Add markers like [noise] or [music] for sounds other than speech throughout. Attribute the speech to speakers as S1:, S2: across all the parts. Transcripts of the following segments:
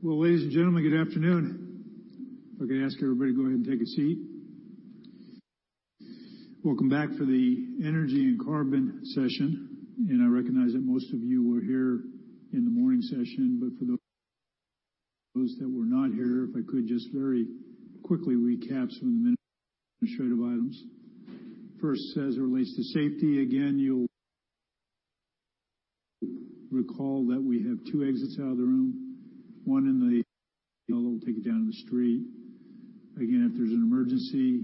S1: Well, ladies and gentlemen, good afternoon. If I could ask everybody to go ahead and take a seat. Welcome back for the energy and carbon session. I recognize that most of you were here in the morning session. For those that were not here, if I could just very quickly recap some of the administrative items. First, as it relates to safety, again, you'll recall that we have two exits out of the room, one that will take you down to the street. Again, if there's an emergency,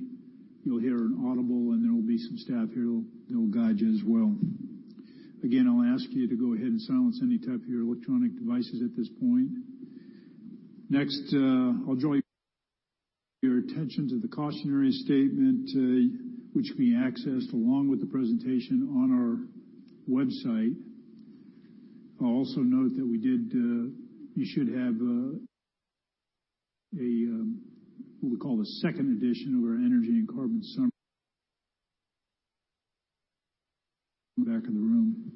S1: you'll hear an audible, and there will be some staff here that will guide you as well. Again, I'll ask you to go ahead and silence any type of your electronic devices at this point. Next, I'll draw your attention to the cautionary statement, which can be accessed along with the presentation on our website. I'll also note that you should have, what we call the 2nd edition of our Energy & Carbon Summary in the back of the room.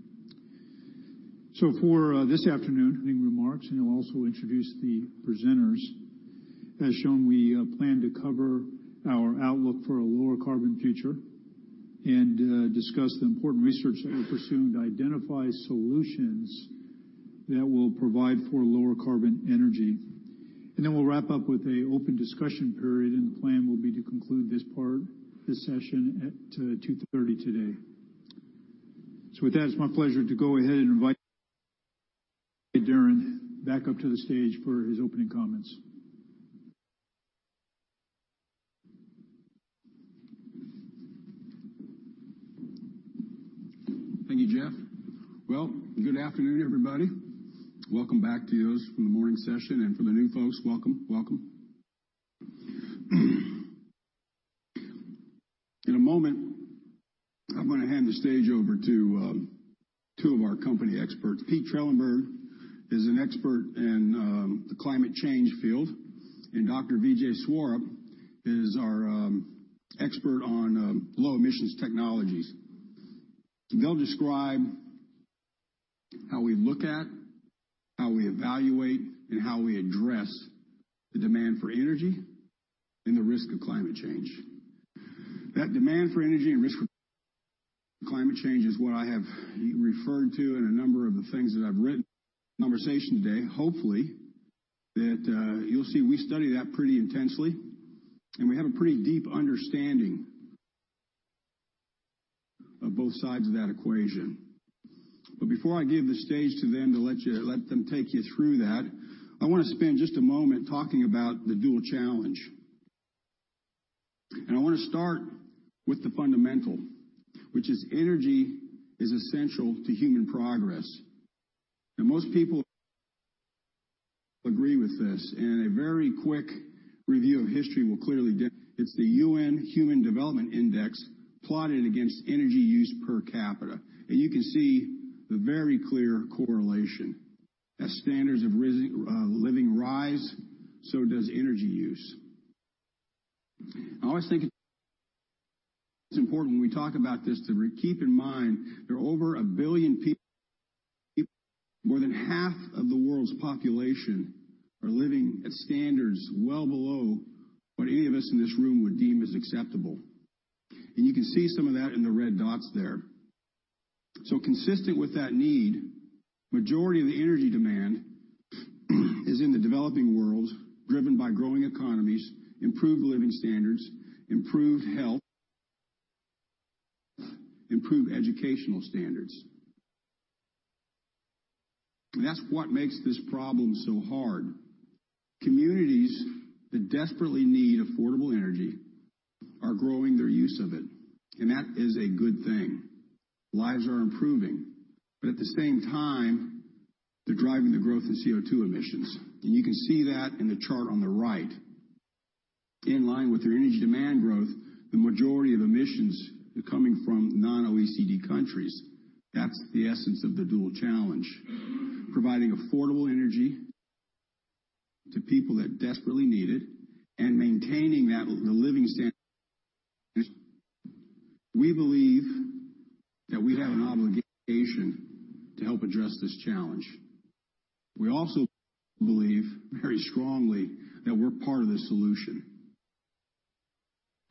S1: For this afternoon, opening remarks, and I'll also introduce the presenters. As shown, we plan to cover our outlook for a lower carbon future and discuss the important research that we pursue to identify solutions that will provide for lower carbon energy. We'll wrap up with an open discussion period, and the plan will be to conclude this session at 2:30 P.M. today. With that, it's my pleasure to go ahead and invite Darren back up to the stage for his opening comments.
S2: Thank you, Jeff. Well, good afternoon, everybody. Welcome back to those from the morning session, and for the new folks, welcome. In a moment, I'm going to hand the stage over to two of our company experts. Pete Trelenberg is an expert in the climate change field, and Dr. Vijay Swarup is our expert on low emissions technologies. They'll describe how we look at, how we evaluate, and how we address the demand for energy and the risk of climate change. That demand for energy and risk of climate change is what I have referred to in a number of the things that I've written. Conversation today, hopefully, that you'll see we study that pretty intensely, and we have a pretty deep understanding of both sides of that equation. Before I give the stage to them to let them take you through that, I want to spend just a moment talking about the dual challenge. I want to start with the fundamental, which is energy is essential to human progress. Most people agree with this, and a very quick review of history will clearly. It's the UN Human Development Index plotted against energy use per capita. You can see the very clear correlation. As standards of living rise, so does energy use. I always think it's important when we talk about this to keep in mind there are over 1 billion people, more than half of the world's population, are living at standards well below what any of us in this room would deem as acceptable. You can see some of that in the red dots there. Consistent with that need, majority of the energy demand is in the developing world, driven by growing economies, improved living standards, improved health, improved educational standards. That's what makes this problem so hard. Communities that desperately need affordable energy are growing their use of it, and that is a good thing. Lives are improving. At the same time, they're driving the growth of CO2 emissions. You can see that in the chart on the right. In line with their energy demand growth, the majority of emissions are coming from non-OECD countries. That's the essence of the dual challenge. Providing affordable energy to people that desperately need it and maintaining the living standards. We believe that we have an obligation to help address this challenge. We also believe very strongly that we're part of the solution.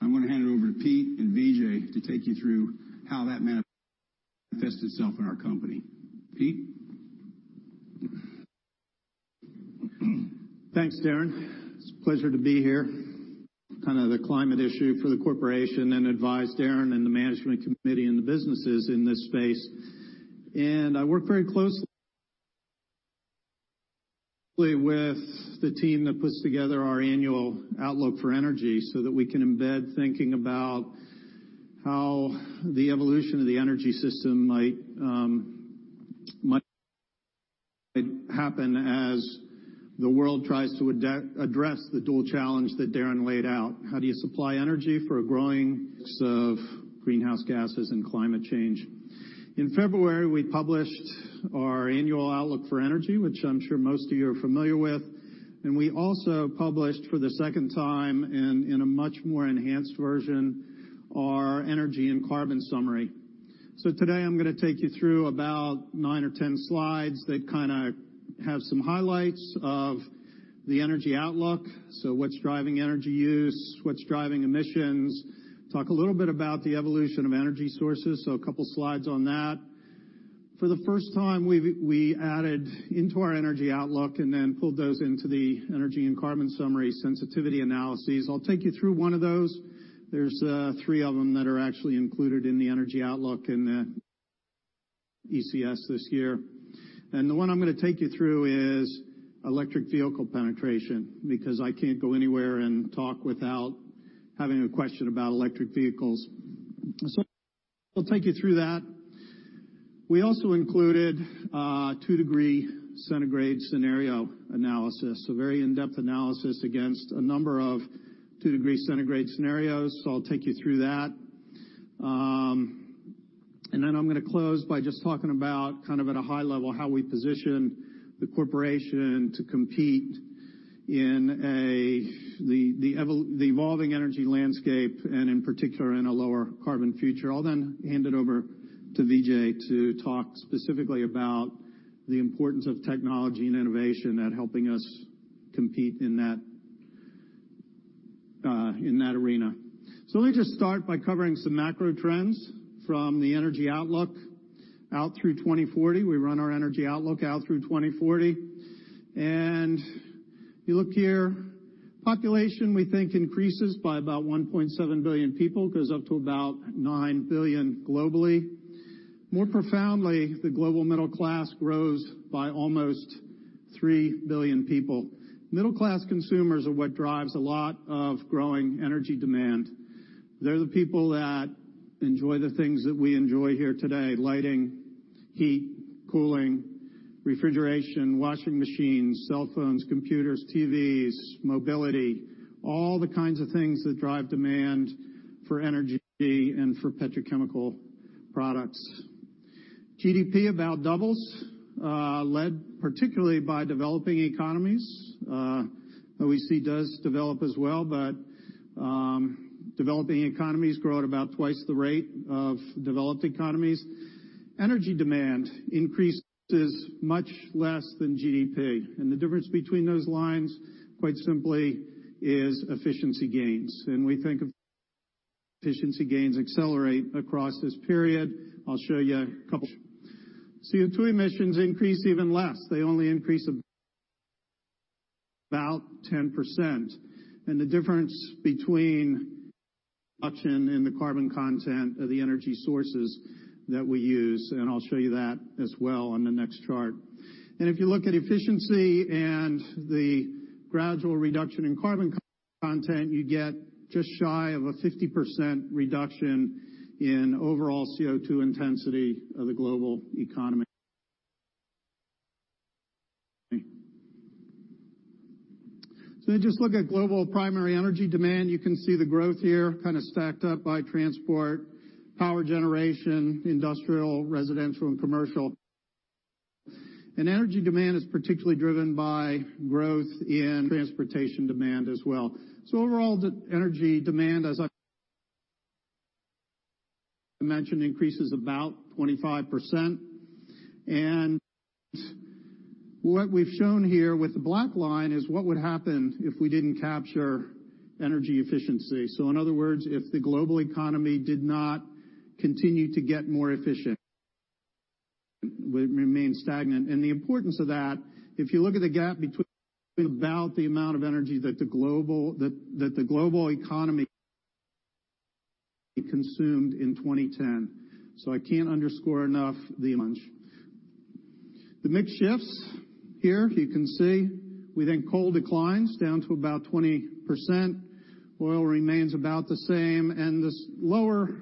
S2: I'm going to hand it over to Pete and Vijay to take you through how that manifests itself in our company. Pete?
S3: Thanks, Darren. It's a pleasure to be here. Kind of the climate issue for the corporation and advise Darren and the management committee and the businesses in this space. I work very closely with the team that puts together our annual outlook for energy so that we can embed thinking about how the evolution of the energy system might happen as the world tries to address the dual challenge that Darren laid out. How do you supply energy for a growing mix of greenhouse gases and climate change? In February, we published our annual outlook for energy, which I'm sure most of you are familiar with. We also published for the second time and in a much more enhanced version, our Energy & Carbon Summary. Today, I'm going to take you through about nine or 10 slides that have some highlights of the energy outlook. What's driving energy use, what's driving emissions? Talk a little bit about the evolution of energy sources, a couple slides on that. For the first time, we added into our energy outlook and then pulled those into the Energy & Carbon Summary sensitivity analyses. I'll take you through one of those. There are three of them that are actually included in the energy outlook in the ECS this year. The one I'm going to take you through is electric vehicle penetration, because I can't go anywhere and talk without having a question about electric vehicles. I'll take you through that. We also included a two degree centigrade scenario analysis, a very in-depth analysis against a number of two degree centigrade scenarios. I'll take you through that. I'm going to close by just talking about kind of at a high level, how we position the corporation to compete in the evolving energy landscape, and in particular, in a lower carbon future. I'll then hand it over to Vijay to talk specifically about the importance of technology and innovation at helping us compete in that arena. Let me just start by covering some macro trends from the energy outlook out through 2040. We run our energy outlook out through 2040. You look here, population, we think increases by about 1.7 billion people, goes up to about 9 billion globally. More profoundly, the global middle class grows by almost 3 billion people. Middle class consumers are what drives a lot of growing energy demand. They're the people that enjoy the things that we enjoy here today, lighting, heat, cooling, refrigeration, washing machines, cell phones, computers, TVs, mobility, all the kinds of things that drive demand for energy and for petrochemical products. GDP about doubles, led particularly by developing economies. OECD does develop as well, but developing economies grow at about twice the rate of developed economies. Energy demand increases much less than GDP. The difference between those lines, quite simply, is efficiency gains. We think efficiency gains accelerate across this period. I'll show you a couple. CO2 emissions increase even less. They only increase about 10%. The difference between in the carbon content of the energy sources that we use, I'll show you that as well on the next chart. If you look at efficiency and the gradual reduction in carbon content, you get just shy of a 50% reduction in overall CO2 intensity of the global economy. You just look at global primary energy demand. You can see the growth here kind of stacked up by transport, power generation, industrial, residential, and commercial. Energy demand is particularly driven by growth in transportation demand as well. Overall, the energy demand, as I mentioned, increases about 25%. What we've shown here with the black line is what would happen if we didn't capture energy efficiency. In other words, if the global economy did not continue to get more efficient, would remain stagnant. The importance of that, if you look at the gap between about the amount of energy that the global economy consumed in 2010. I can't underscore enough the. The mix shifts. Here, you can see we think coal declines down to about 20%. Oil remains about the same. This lower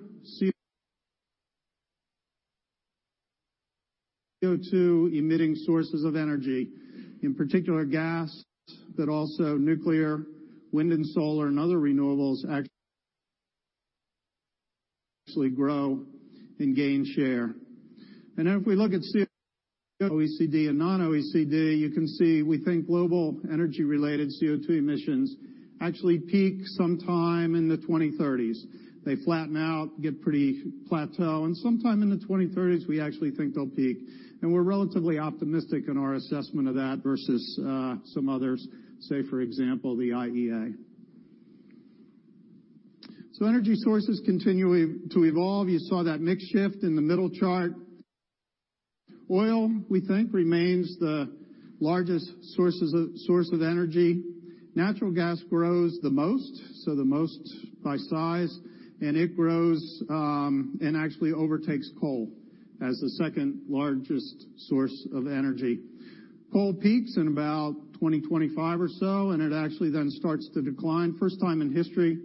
S3: CO2 emitting sources of energy, in particular gas, but also nuclear, wind and solar and other renewables actually grow and gain share. If we look at CO2, OECD and non-OECD, you can see we think global energy related CO2 emissions actually peak sometime in the 2030s. They flatten out, get pretty plateau, and sometime in the 2030s we actually think they'll peak. We're relatively optimistic in our assessment of that versus some others, say, for example, the IEA. Energy sources continuing to evolve. You saw that mix shift in the middle chart. Oil, we think remains the largest source of energy. Natural gas grows the most, so the most by size, it grows and actually overtakes coal as the second largest source of energy. Coal peaks in about 2025 or so, it actually then starts to decline. First time in history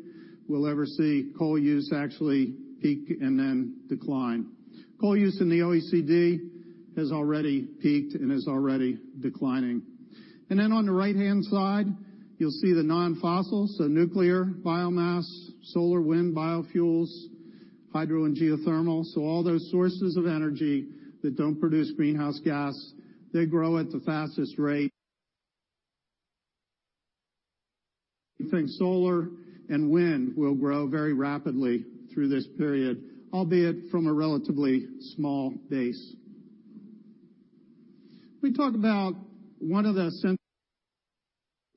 S3: we'll ever see coal use actually peak and then decline. Coal use in the OECD has already peaked and is already declining. On the right-hand side, you'll see the non-fossil, so nuclear, biomass, solar, wind, biofuels, hydro, and geothermal. All those sources of energy that don't produce greenhouse gas, they grow at the fastest rate. We think solar and wind will grow very rapidly through this period, albeit from a relatively small base. We talked about one of the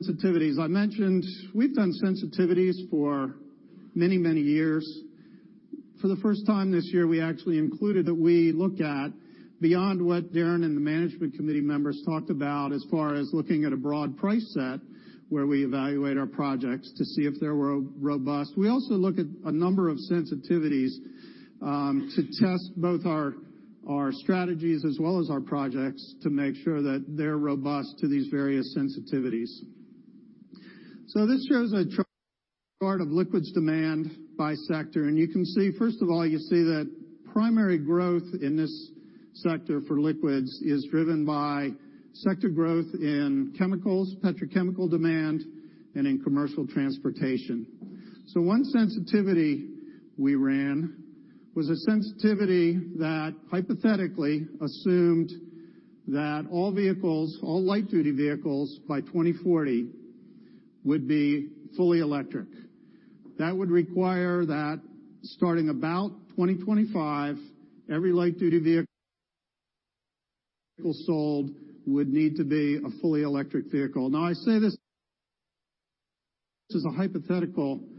S3: sensitivities I mentioned. We've done sensitivities for many years. For the first time this year, we actually included that we look at beyond what Darren and the management committee members talked about as far as looking at a broad price set where we evaluate our projects to see if they were robust. We also look at a number of sensitivities to test both our strategies as well as our projects to make sure that they're robust to these various sensitivities. This shows a chart of liquids demand by sector. First of all, you see that primary growth in this sector for liquids is driven by sector growth in chemicals, petrochemical demand, and in commercial transportation. One sensitivity we ran was a sensitivity that hypothetically assumed that all light-duty vehicles by 2040 would be fully electric. That would require that starting about 2025, every light-duty vehicle sold would need to be a fully electric vehicle. I say this is a hypothetical sensitivity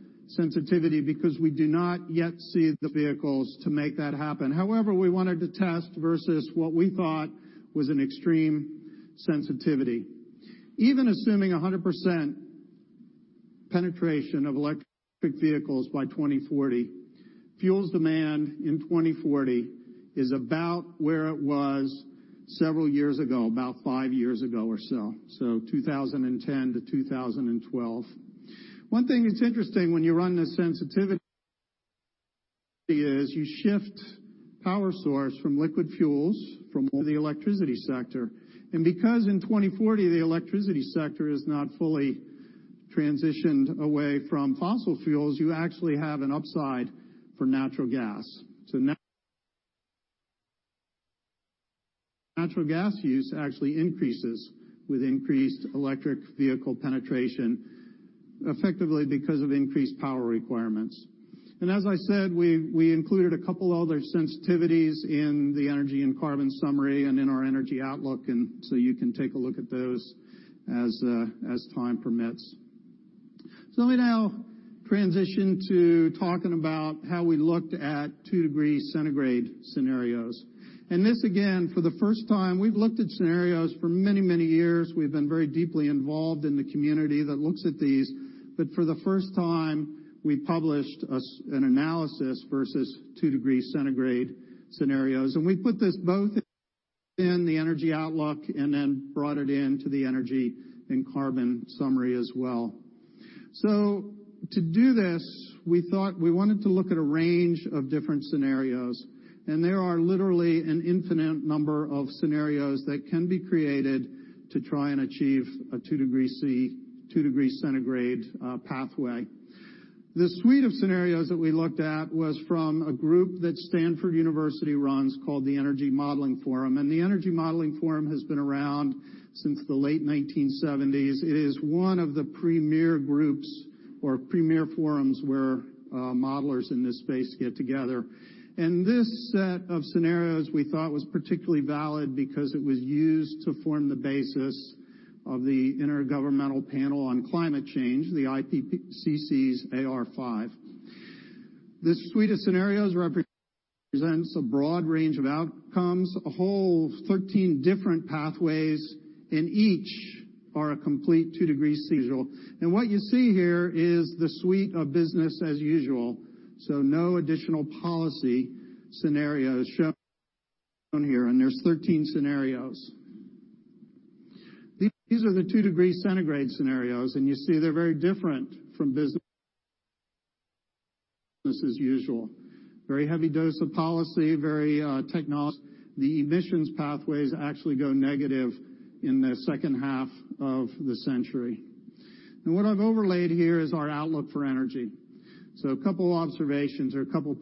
S3: because we do not yet see the vehicles to make that happen. However, we wanted to test versus what we thought was an extreme sensitivity. Even assuming 100% penetration of electric vehicles by 2040, fuels demand in 2040 is about where it was several years ago, about 5 years ago or so. 2010 to 2012. One thing that's interesting when you run this sensitivity is you shift power source from liquid fuels from the electricity sector. Because in 2040, the electricity sector is not fully transitioned away from fossil fuels, you actually have an upside for natural gas. Natural gas use actually increases with increased electric vehicle penetration, effectively because of increased power requirements. As I said, we included a couple other sensitivities in the Energy & Carbon Summary and in our energy outlook. You can take a look at those as time permits. Let me now transition to talking about how we looked at 2 degrees centigrade scenarios. This again, for the first time, we've looked at scenarios for many years. We've been very deeply involved in the community that looks at these. For the first time, we published an analysis versus 2 degrees centigrade scenarios. We put this both in the energy outlook and then brought it into the Energy & Carbon Summary as well. To do this, we thought we wanted to look at a range of different scenarios, and there are literally an infinite number of scenarios that can be created to try and achieve a 2 degree centigrade pathway. The suite of scenarios that we looked at was from a group that Stanford University runs called the Energy Modeling Forum, and the Energy Modeling Forum has been around since the late 1970s. It is one of the premier groups or premier forums where modelers in this space get together. This set of scenarios we thought was particularly valid because it was used to form the basis of the Intergovernmental Panel on Climate Change, the IPCC's AR5. This suite of scenarios represents a broad range of outcomes, a whole 13 different pathways, and each are a complete 2 degrees C. What you see here is the suite of business as usual. No additional policy scenarios shown here, and there's 13 scenarios. These are the 2 degrees centigrade scenarios, and you see they're very different from business as usual. Very heavy dose of policy, very technology. The emissions pathways actually go negative in the second half of the century. What I've overlaid here is our outlook for energy. A couple observations or a couple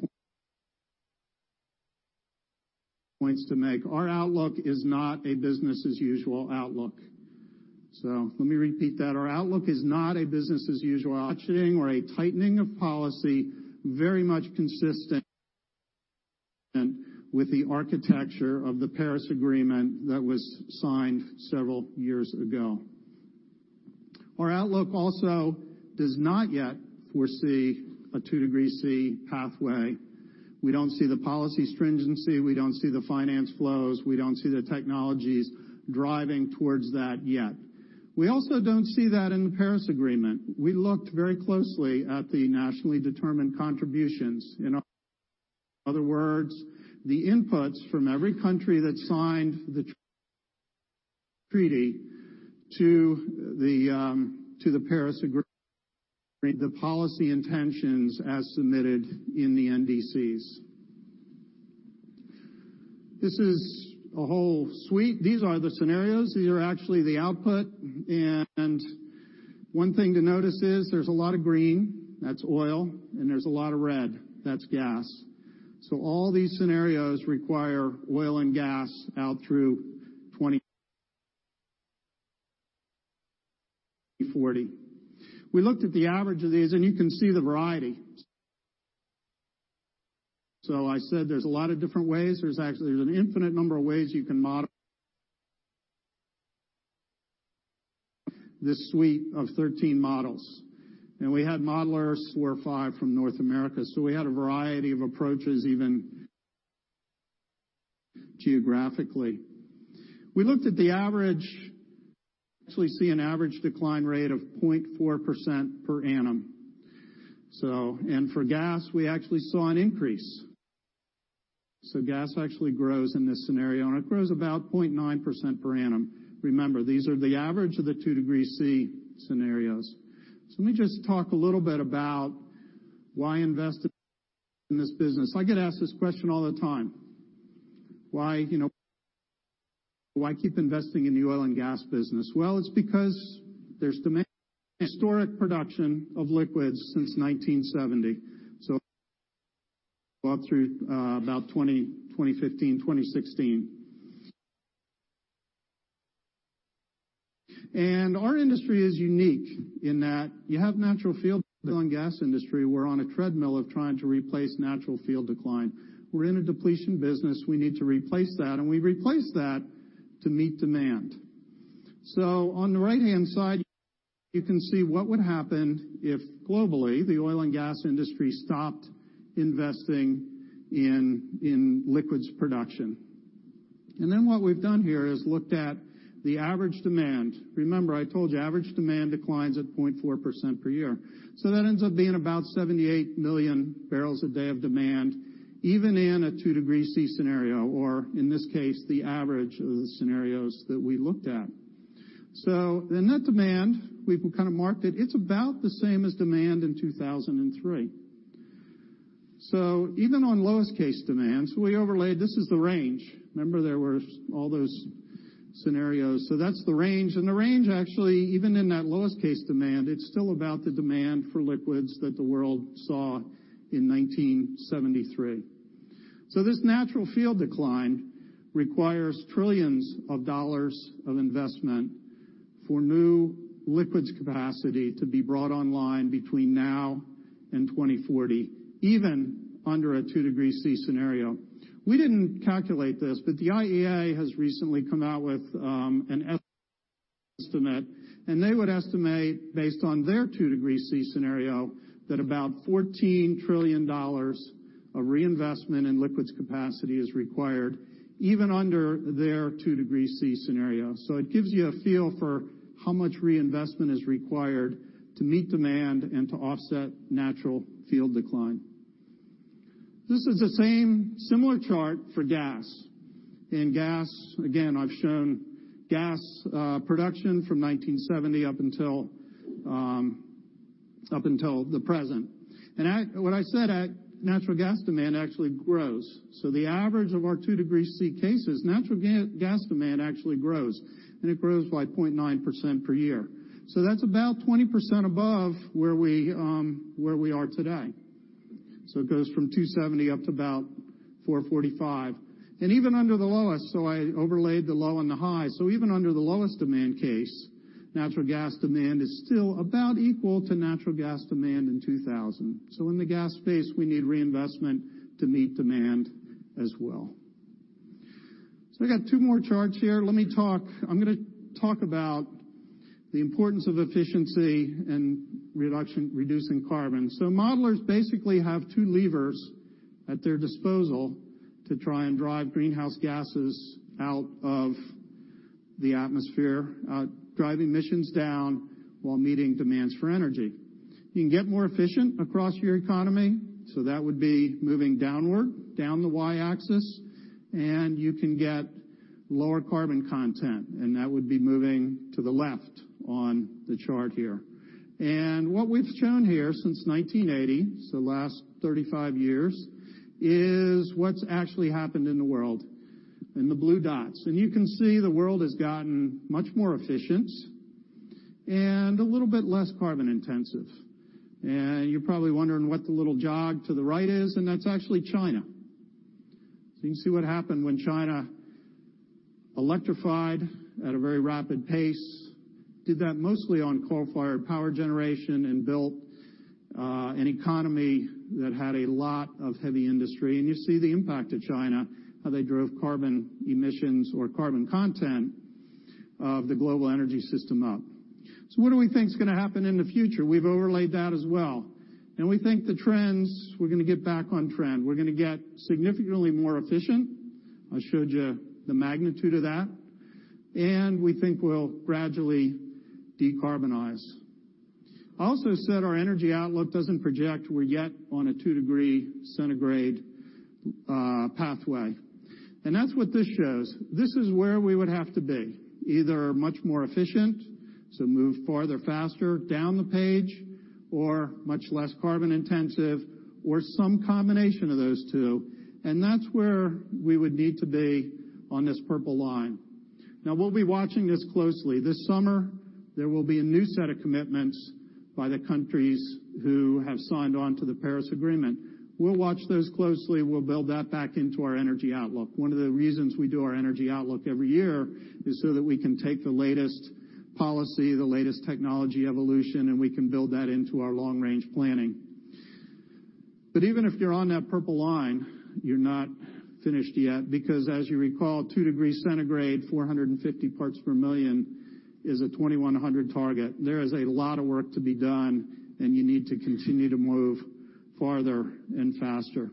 S3: points to make. Our outlook is not a business-as-usual outlook. Let me repeat that. Our outlook is not a business-as-usual outlook or a tightening of policy very much consistent with the architecture of the Paris Agreement that was signed several years ago. Our outlook also does not yet foresee a 2 degrees C pathway. We don't see the policy stringency. We don't see the finance flows. We don't see the technologies driving towards that yet. We also don't see that in the Paris Agreement. We looked very closely at the nationally determined contributions. In other words, the inputs from every country that signed the treaty to the Paris Agreement, the policy intentions as submitted in the NDCs. This is a whole suite. These are the scenarios. These are actually the output, one thing to notice is there's a lot of green. That's oil, there's a lot of red. That's gas. All these scenarios require oil and gas out through 2040. We looked at the average of these, you can see the variety. I said there's a lot of different ways. There's actually an infinite number of ways you can model this suite of 13 models. We had modelers four or five from North America. We had a variety of approaches, even geographically. We looked at the average. We actually see an average decline rate of 0.4% per annum. For gas, we actually saw an increase. Gas actually grows in this scenario, and it grows about 0.9% per annum. Remember, these are the average of the 2 degree C scenarios. Let me just talk a little bit about why invest in this business. I get asked this question all the time. Why keep investing in the oil and gas business? Well, it's because there's demand. Historic production of liquids since 1970. Up through about 2015, 2016. Our industry is unique in that you have natural field oil and gas industry. We're on a treadmill of trying to replace natural field decline. We're in a depletion business. We need to replace that, and we replace that to meet demand. On the right-hand side, you can see what would happen if globally the oil and gas industry stopped investing in liquids production. What we've done here is looked at the average demand. Remember, I told you average demand declines at 0.4% per year. That ends up being about 78 million barrels a day of demand, even in a 2 degree C scenario, or in this case, the average of the scenarios that we looked at. In that demand, we've kind of marked it. It's about the same as demand in 2003. Even on lowest case demands, we overlaid this is the range. Remember, there were all those scenarios. That's the range. And the range, actually, even in that lowest case demand, it's still about the demand for liquids that the world saw in 1973. This natural field decline requires trillions of dollars of investment for new liquids capacity to be brought online between now and 2040, even under a 2 degree C scenario. We didn't calculate this, the IEA has recently come out with an estimate, and they would estimate, based on their 2 degree C scenario, that about $14 trillion of reinvestment in liquids capacity is required, even under their 2 degree C scenario. It gives you a feel for how much reinvestment is required to meet demand and to offset natural field decline. This is the same similar chart for gas. In gas, again, I've shown gas production from 1970 up until the present. What I said, natural gas demand actually grows. The average of our 2 degree C cases, natural gas demand actually grows, and it grows by 0.9% per year. That's about 20% above where we are today. It goes from 270 up to about 445. Even under the lowest, I overlaid the low and the high. Even under the lowest demand case, natural gas demand is still about equal to natural gas demand in 2000. In the gas space, we need reinvestment to meet demand as well. We got two more charts here. I'm going to talk about the importance of efficiency and reducing carbon. Modelers basically have two levers at their disposal to try and drive greenhouse gases out of the atmosphere, driving emissions down while meeting demands for energy. You can get more efficient across your economy. That would be moving downward, down the Y-axis, and you can get lower carbon content, and that would be moving to the left on the chart here. What we've shown here since 1980, the last 35 years, is what's actually happened in the world in the blue dots. You can see the world has gotten much more efficient and a little bit less carbon intensive. You're probably wondering what the little jog to the right is, and that's actually China. You can see what happened when China electrified at a very rapid pace, did that mostly on coal-fired power generation and built an economy that had a lot of heavy industry. You see the impact of China, how they drove carbon emissions or carbon content of the global energy system up. What do we think is going to happen in the future? We've overlaid that as well. We think the trends, we're going to get back on trend. We're going to get significantly more efficient. I showed you the magnitude of that. We think we'll gradually decarbonize. I also said our energy outlook doesn't project we're yet on a two degree centigrade pathway. That's what this shows. This is where we would have to be, either much more efficient, so move farther, faster down the page, or much less carbon intensive, or some combination of those two. That's where we would need to be on this purple line. Now we'll be watching this closely. This summer, there will be a new set of commitments by the countries who have signed on to the Paris Agreement. We'll watch those closely. We'll build that back into our energy outlook. One of the reasons we do our energy outlook every year is so that we can take the latest policy, the latest technology evolution, and we can build that into our long-range planning. Even if you're on that purple line, you're not finished yet, because as you recall, two degrees centigrade, 450 parts per million is a 2100 target. There is a lot of work to be done, and you need to continue to move farther and faster.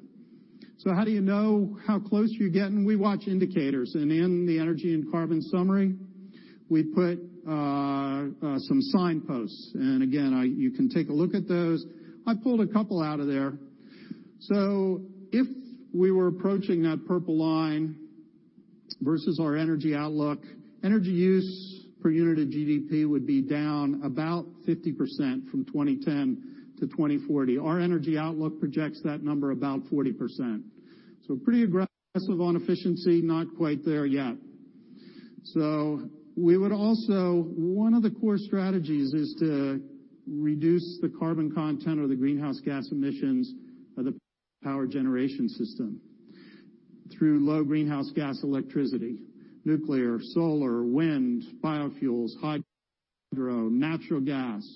S3: How do you know how close you're getting? We watch indicators, and in the Energy & Carbon Summary, we put some signposts. Again, you can take a look at those. I pulled a couple out of there. If we were approaching that purple line versus our energy outlook, energy use per unit of GDP would be down about 50% from 2010 to 2040. Our energy outlook projects that number about 40%. Pretty aggressive on efficiency, not quite there yet. One of the core strategies is to reduce the carbon content or the greenhouse gas emissions of the power generation system through low greenhouse gas electricity, nuclear, solar, wind, biofuels, hydro, natural gas,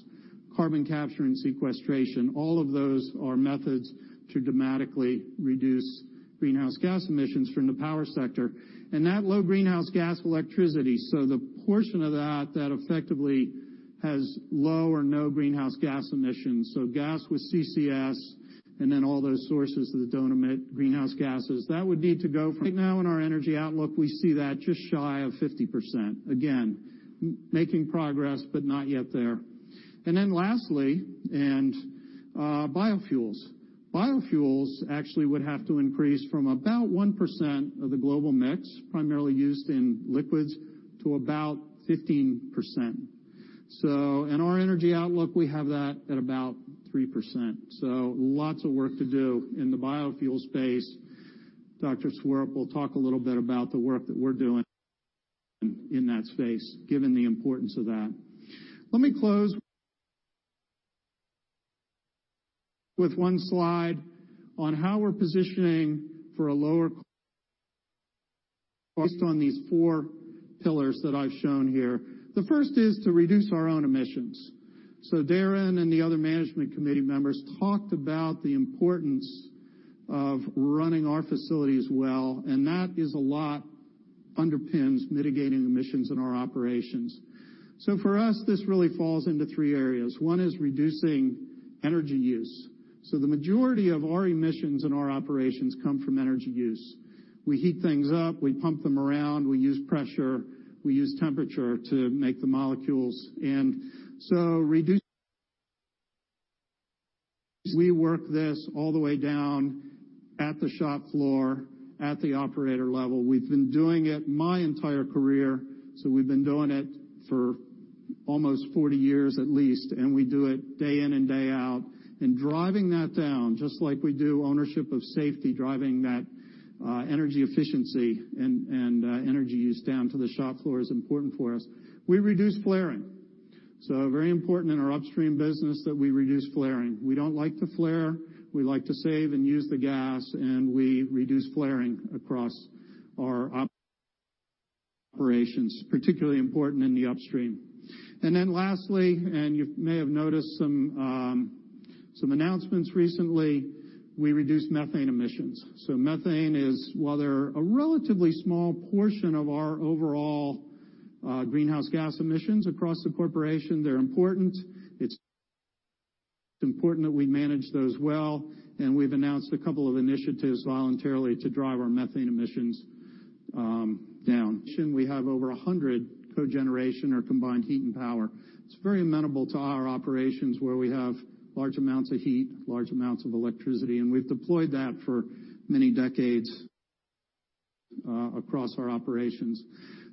S3: carbon capture and sequestration. All of those are methods to dramatically reduce greenhouse gas emissions from the power sector. That low greenhouse gas electricity, so the portion of that that effectively has low or no greenhouse gas emissions. Gas with CCS and then all those sources that don't emit greenhouse gases, that would need to go from right now in our energy outlook, we see that just shy of 50%. Again, making progress, but not yet there. Lastly, biofuels. Biofuels actually would have to increase from about 1% of the global mix, primarily used in liquids, to about 15%. In our energy outlook, we have that at about 3%. Lots of work to do in the biofuel space. Dr. Swarup will talk a little bit about the work that we're doing in that space, given the importance of that. Let me close with one slide on how we're positioning for a lower based on these four pillars that I've shown here. The first is to reduce our own emissions. Darren and the other management committee members talked about the importance of running our facilities well, and that is a lot underpins mitigating emissions in our operations. For us, this really falls into three areas. One is reducing energy use. The majority of our emissions in our operations come from energy use. We heat things up, we pump them around, we use pressure, we use temperature to make the molecules in. Reduce we work this all the way down at the shop floor at the operator level. We've been doing it my entire career, so we've been doing it for almost 40 years at least, and we do it day in and day out. Driving that down, just like we do ownership of safety, driving that energy efficiency and energy use down to the shop floor is important for us. We reduce flaring. Very important in our upstream business that we reduce flaring. We don't like to flare. We like to save and use the gas, and we reduce flaring across our operations, particularly important in the upstream. Lastly, and you may have noticed some announcements recently, we reduced methane emissions. Methane is, while they're a relatively small portion of our overall greenhouse gas emissions across the corporation, they're important. It's important that we manage those well, and we've announced a couple of initiatives voluntarily to drive our methane emissions down. We have over 100 cogeneration or combined heat and power. It's very amenable to our operations where we have large amounts of heat, large amounts of electricity, and we've deployed that for many decades across our operations.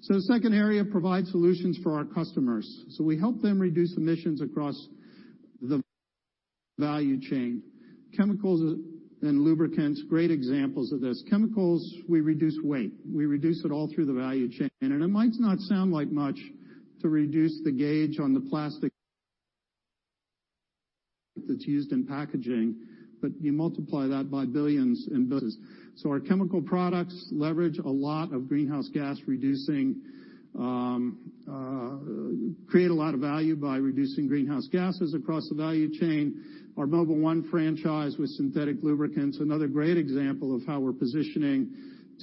S3: The second area, provide solutions for our customers. We help them reduce emissions across the value chain. Chemicals and lubricants, great examples of this. Chemicals, we reduce weight. We reduce it all through the value chain. It might not sound like much to reduce the gauge on the plastic that's used in packaging, but you multiply that by billions and billions. Our chemical products leverage a lot of greenhouse gas reducing, create a lot of value by reducing greenhouse gases across the value chain. Our Mobil 1 franchise with synthetic lubricants, another great example of how we're positioning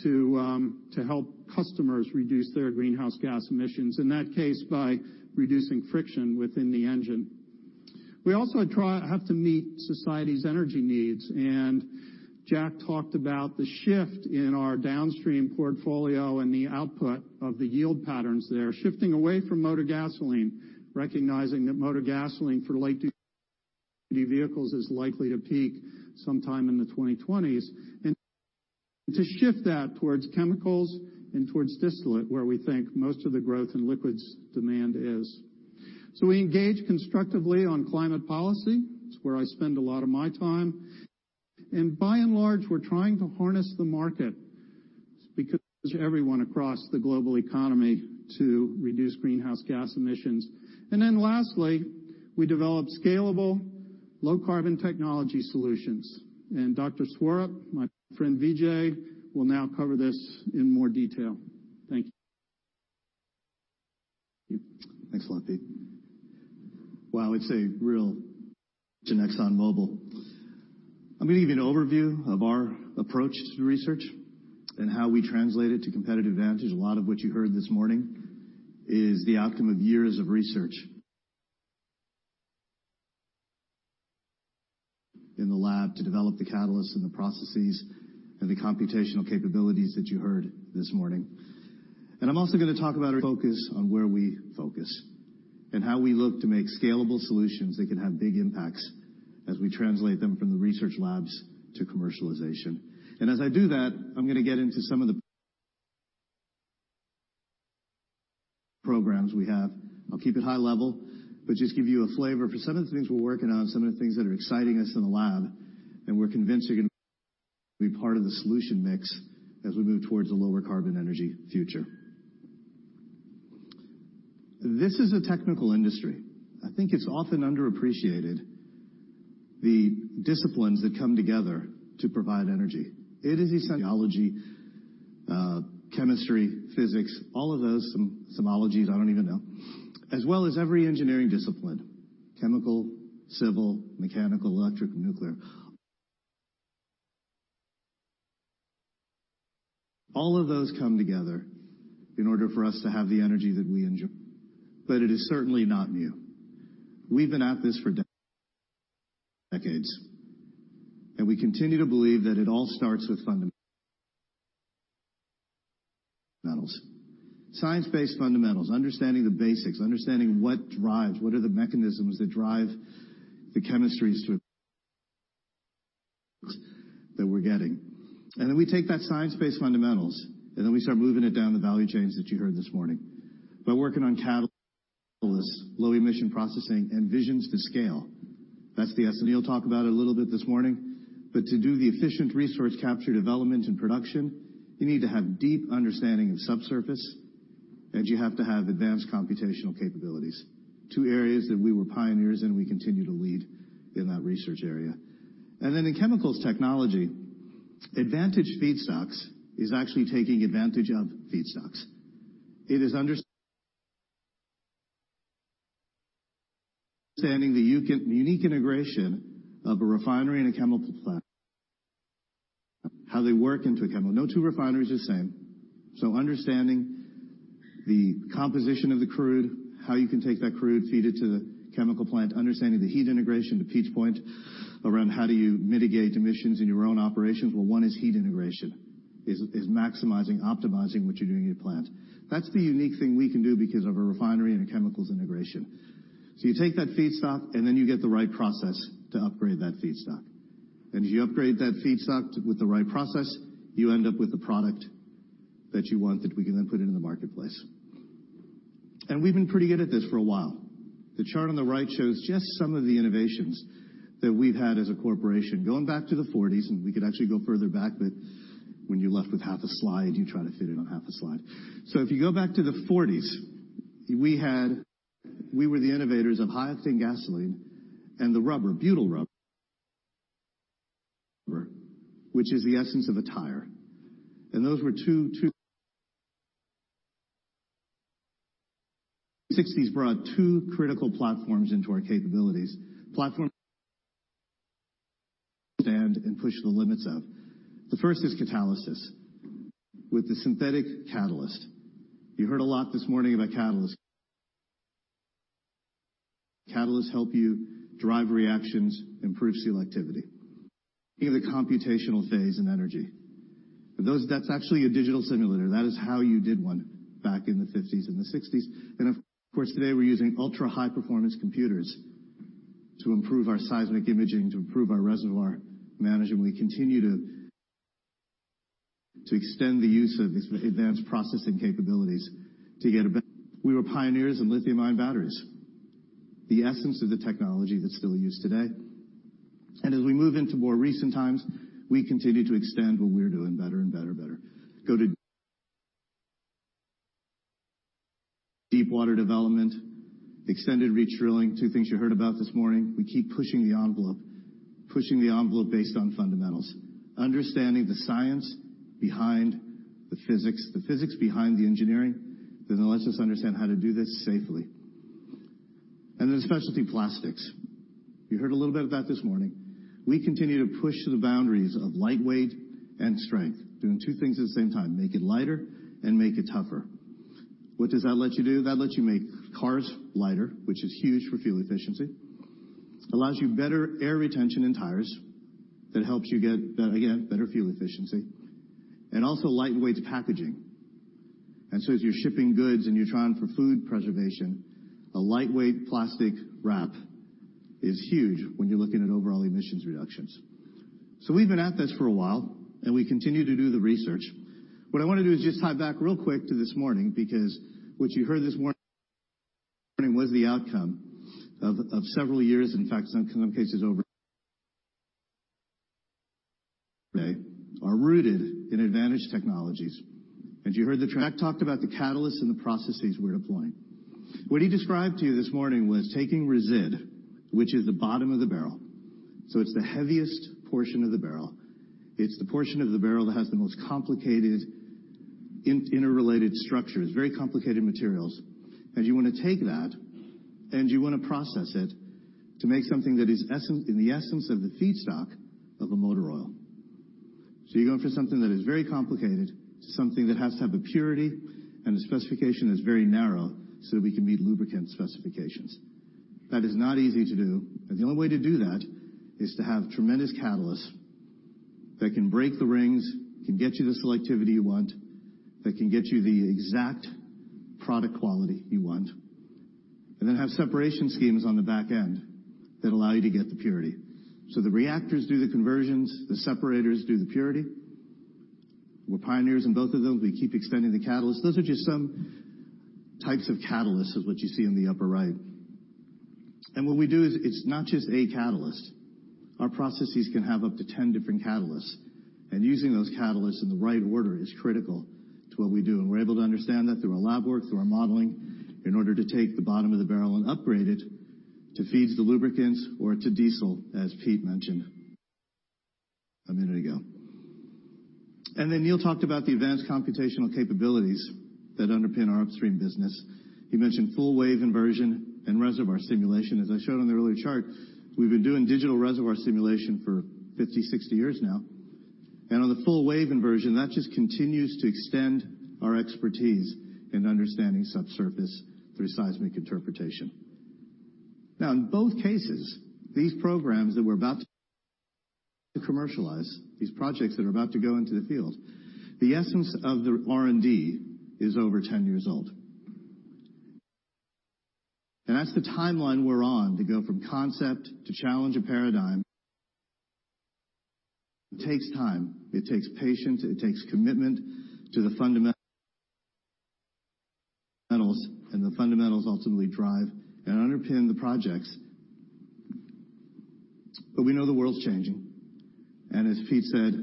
S3: to help customers reduce their greenhouse gas emissions, in that case, by reducing friction within the engine. We also have to meet society's energy needs. Jack talked about the shift in our downstream portfolio and the output of the yield patterns there, shifting away from motor gasoline, recognizing that motor gasoline for light-duty vehicles is likely to peak sometime in the 2020s, and to shift that towards chemicals and towards distillate, where we think most of the growth in liquids demand is. We engage constructively on climate policy. It's where I spend a lot of my time. By and large, we're trying to harness the market Because everyone across the global economy to reduce greenhouse gas emissions. Lastly, we develop scalable low carbon technology solutions. Dr. Swarup, my friend Vijay, will now cover this in more detail. Thank you.
S4: Thanks a lot, Pete. Wow, it's a real to Exxon Mobil. I'm going to give you an overview of our approach to research and how we translate it to competitive advantage. A lot of what you heard this morning is the outcome of years of research in the lab to develop the catalyst and the processes and the computational capabilities that you heard this morning. I'm also going to talk about our focus on where we focus, and how we look to make scalable solutions that can have big impacts as we translate them from the research labs to commercialization. As I do that, I'm going to get into some of the programs we have. I'll keep it high level, but just give you a flavor for some of the things we're working on, some of the things that are exciting us in the lab, and we're convinced are going to be part of the solution mix as we move towards a lower carbon energy future. This is a technical industry. I think it's often underappreciated, the disciplines that come together to provide energy. It is a geology, chemistry, physics, all of those, some ologies I don't even know, as well as every engineering discipline, chemical, civil, mechanical, electric, nuclear. All of those come together in order for us to have the energy that we enjoy. It is certainly not new. We've been at this for decades. We continue to believe that it all starts with fundamentals. Science-based fundamentals, understanding the basics, understanding what drives, what are the mechanisms that drive the chemistries to that we're getting. We take that science-based fundamentals, then we start moving it down the value chains that you heard this morning. By working on catalysts, low emission processing, and visions to scale. That's the [inaudible] talk about it a little bit this morning. To do the efficient resource capture, development, and production, you need to have deep understanding of subsurface, and you have to have advanced computational capabilities. Two areas that we were pioneers in, we continue to lead in that research area. In chemicals technology, advantage feedstocks is actually taking advantage of feedstocks. It is understanding the unique integration of a refinery and a chemical plant, how they work into a chemical. No two refineries are the same. Understanding the composition of the crude, how you can take that crude, feed it to the chemical plant, understanding the heat integration, the pinch point around how do you mitigate emissions in your own operations. One is heat integration, is maximizing, optimizing what you're doing in your plant. That's the unique thing we can do because of a refinery and a chemicals integration. You take that feedstock, you get the right process to upgrade that feedstock. As you upgrade that feedstock with the right process, you end up with the product that you want, that we can then put into the marketplace. We've been pretty good at this for a while. The chart on the right shows just some of the innovations that we've had as a corporation. Going back to the '40s, we could actually go further back, but when you're left with half a slide, you try to fit it on half a slide. If you go back to the '40s, we were the innovators of high octane gasoline and the rubber, butyl rubber, which is the essence of a tire. Those were two '60s brought two critical platforms into our capabilities, platforms and push the limits of. The first is catalysis with the synthetic catalyst. You heard a lot this morning about catalyst. Catalysts help you drive reactions, improve selectivity. In the computational phase in energy. That's actually a digital simulator. That is how you did one back in the '50s and the '60s. Of course today, we're using ultra-high performance computers to improve our seismic imaging, to improve our reservoir management. We continue to extend the use of these advanced processing capabilities to get, we were pioneers in lithium-ion batteries, the essence of the technology that's still used today. As we move into more recent times, we continue to extend what we're doing better and better and better. Go to deep water development, extended reach drilling, two things you heard about this morning. We keep pushing the envelope. Pushing the envelope based on fundamentals, understanding the science behind the physics, the physics behind the engineering, then that lets us understand how to do this safely. Then specialty plastics. You heard a little bit of that this morning. We continue to push the boundaries of lightweight and strength, doing two things at the same time, make it lighter and make it tougher. What does that let you do? That lets you make cars lighter, which is huge for fuel efficiency. Allows you better air retention in tires that helps you get, again, better fuel efficiency. Also lightweight packaging. As you're shipping goods and you're trying for food preservation, a lightweight plastic wrap is huge when you're looking at overall emissions reductions. We've been at this for a while, we continue to do the research. What I want to do is just tie back real quick to this morning, because what you heard this morning Was the outcome of several years, in fact, some cases over Are rooted in advantage technologies. As you heard, Jack talked about the catalysts and the processes we're deploying. What he described to you this morning was taking resid, which is the bottom of the barrel. It's the heaviest portion of the barrel. It's the portion of the barrel that has the most complicated interrelated structures, very complicated materials. You want to take that, you want to process it to make something that is in the essence of the feedstock of a motor oil. You're going for something that is very complicated to something that has to have a purity, the specification is very narrow so that we can meet lubricant specifications. That is not easy to do, the only way to do that is to have tremendous catalysts that can break the rings, can get you the selectivity you want, that can get you the exact product quality you want, then have separation schemes on the back end that allow you to get the purity. The reactors do the conversions, the separators do the purity. We're pioneers in both of them. We keep extending the catalysts. Those are just some types of catalysts of what you see in the upper right. What we do is it's not just a catalyst. Our processes can have up to 10 different catalysts. Using those catalysts in the right order is critical to what we do. We're able to understand that through our lab work, through our modeling, in order to take the bottom of the barrel and upgrade it to feed the lubricants or to diesel, as Pete mentioned a minute ago. Neil talked about the advanced computational capabilities that underpin our upstream business. He mentioned full waveform inversion and reservoir simulation. As I showed on the earlier chart, we've been doing digital reservoir simulation for 50, 60 years now. On the full waveform inversion, that just continues to extend our expertise in understanding subsurface through seismic interpretation. In both cases, these programs that we're about to commercialize, these projects that are about to go into the field, the essence of the R&D is over 10 years old. That's the timeline we're on to go from concept to challenge a paradigm. It takes time. It takes patience. It takes commitment to the fundamentals. The fundamentals ultimately drive and underpin the projects. We know the world's changing. As Pete said,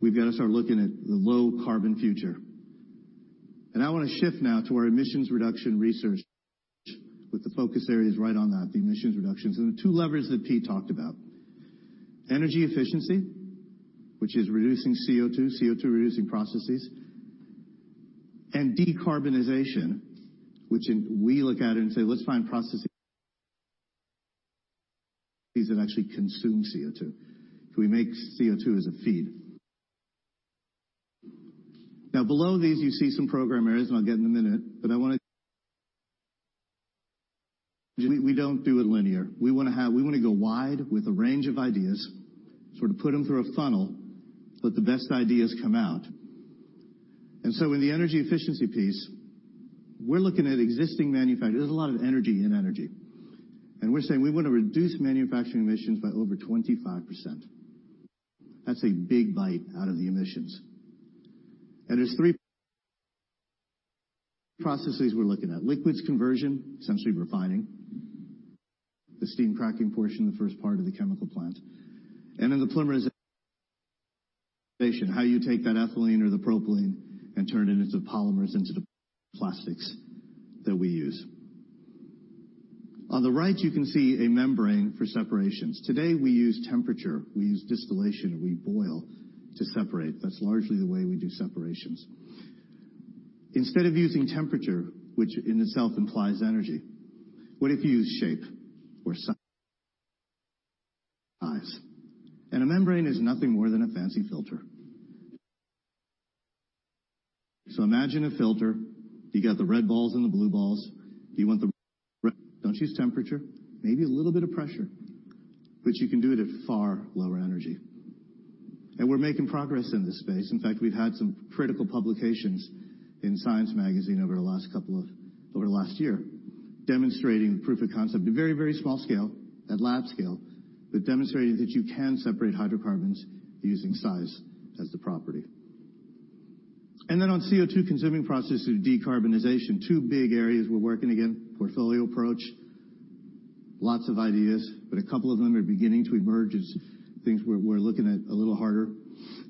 S4: we've got to start looking at the low-carbon future. I want to shift now to our emissions reduction research with the focus areas right on that, the emissions reductions. The two levers that Pete talked about, energy efficiency, which is reducing CO2 reducing processes, and decarbonization, which we look at it and say, let's find processes that actually consume CO2. Can we make CO2 as a feed? Below these, you see some program areas. I'll get in a minute, but I want to. We don't do it linear. We want to go wide with a range of ideas, sort of put them through a funnel, let the best ideas come out. In the energy efficiency piece, we're looking at existing manufacturers. There's a lot of energy in energy. We're saying we want to reduce manufacturing emissions by over 25%. That's a big bite out of the emissions. There are three processes we're looking at. Liquids conversion, essentially refining. The steam cracking portion, the first part of the chemical plant. The polymerization. How you take that ethylene or the propylene and turn it into polymers into the plastics that we use. On the right, you can see a membrane for separations. Today, we use temperature, we use distillation. We boil to separate. That's largely the way we do separations. Instead of using temperature, which in itself implies energy, what if you use shape or size? A membrane is nothing more than a fancy filter. Imagine a filter. You got the red balls and the blue balls. You want the red. Don't use temperature, maybe a little bit of pressure, but you can do it at far lower energy. We're making progress in this space. In fact, we've had some critical publications in Science over the last year, demonstrating the proof of concept at a very, very small scale, at lab scale, but demonstrating that you can separate hydrocarbons using size as the property. On CO2-consuming processes, decarbonization, two big areas we're working again, portfolio approach, lots of ideas, a couple of them are beginning to emerge as things we're looking at a little harder.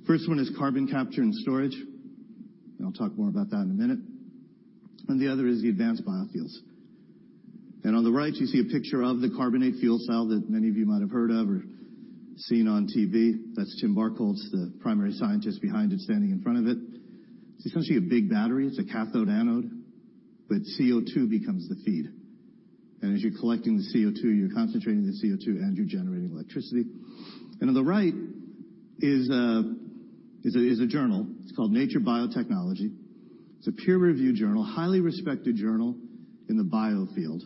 S4: First one is carbon capture and storage. I'll talk more about that in a minute. The other is the advanced biofuels. On the right, you see a picture of the carbonate fuel cell that many of you might have heard of or seen on TV. That's Tim Barckholtz, the primary scientist behind it, standing in front of it. It's essentially a big battery. It's a cathode, anode, CO2 becomes the feed. As you're collecting the CO2, you're concentrating the CO2, and you're generating electricity. On the right is a journal. It's called Nature Biotechnology. It's a peer-reviewed journal, highly respected journal in the bio field.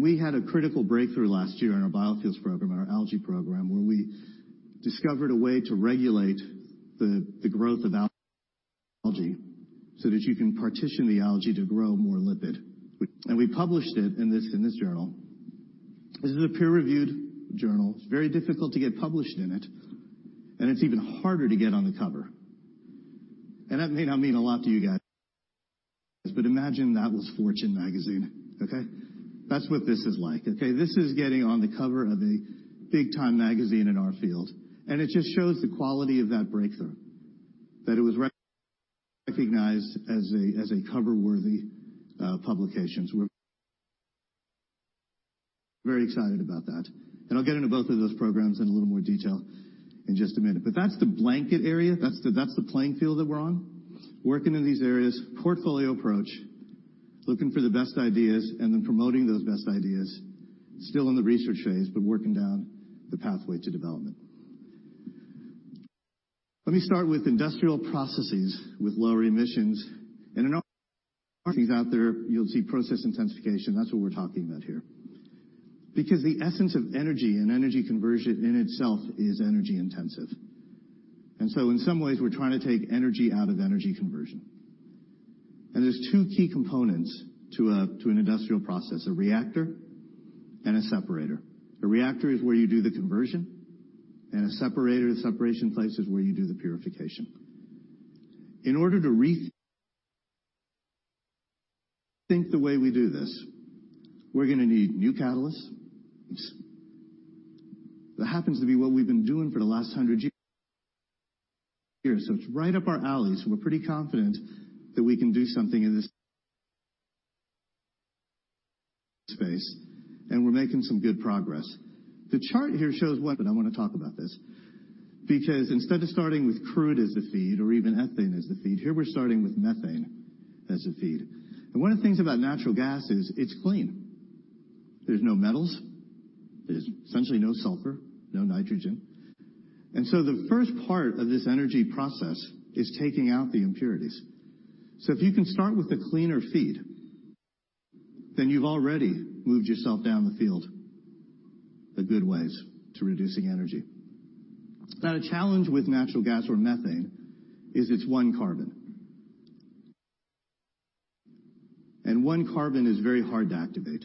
S4: We had a critical breakthrough last year in our biofuels program, in our algae program, where we discovered a way to regulate the growth of algae so that you can partition the algae to grow more lipid. We published it in this journal. This is a peer-reviewed journal. It's very difficult to get published in it, and it's even harder to get on the cover. That may not mean a lot to you guys, imagine that was Fortune Magazine. Okay? That's what this is like. This is getting on the cover of a big-time magazine in our field. It just shows the quality of that breakthrough, that it was recognized as a cover-worthy publication. We're very excited about that, and I'll get into both of those programs in a little more detail in just a minute. That's the blanket area. That's the playing field that we're on, working in these areas, portfolio approach, looking for the best ideas, promoting those best ideas, still in the research phase, working down the pathway to development. Let me start with industrial processes with lower emissions. In articles out there, you'll see process intensification. That's what we're talking about here. Because the essence of energy and energy conversion in itself is energy intensive. In some ways, we're trying to take energy out of energy conversion. There's two key components to an industrial process, a reactor and a separator. A reactor is where you do the conversion, and a separator, the separation place is where you do the purification. In order to rethink the way we do this, we're going to need new catalysts. That happens to be what we've been doing for the last 100 years, it's right up our alley, we're pretty confident that we can do something in this space, we're making some good progress. The chart here shows I want to talk about this because instead of starting with crude as the feed or even ethane as the feed, here, we're starting with methane as the feed. One of the things about natural gas is it's clean. There's no metals, there's essentially no sulfur, no nitrogen. The first part of this energy process is taking out the impurities. If you can start with a cleaner feed, you've already moved yourself down the field a good way to reducing energy. The challenge with natural gas or methane is it's one carbon. One carbon is very hard to activate.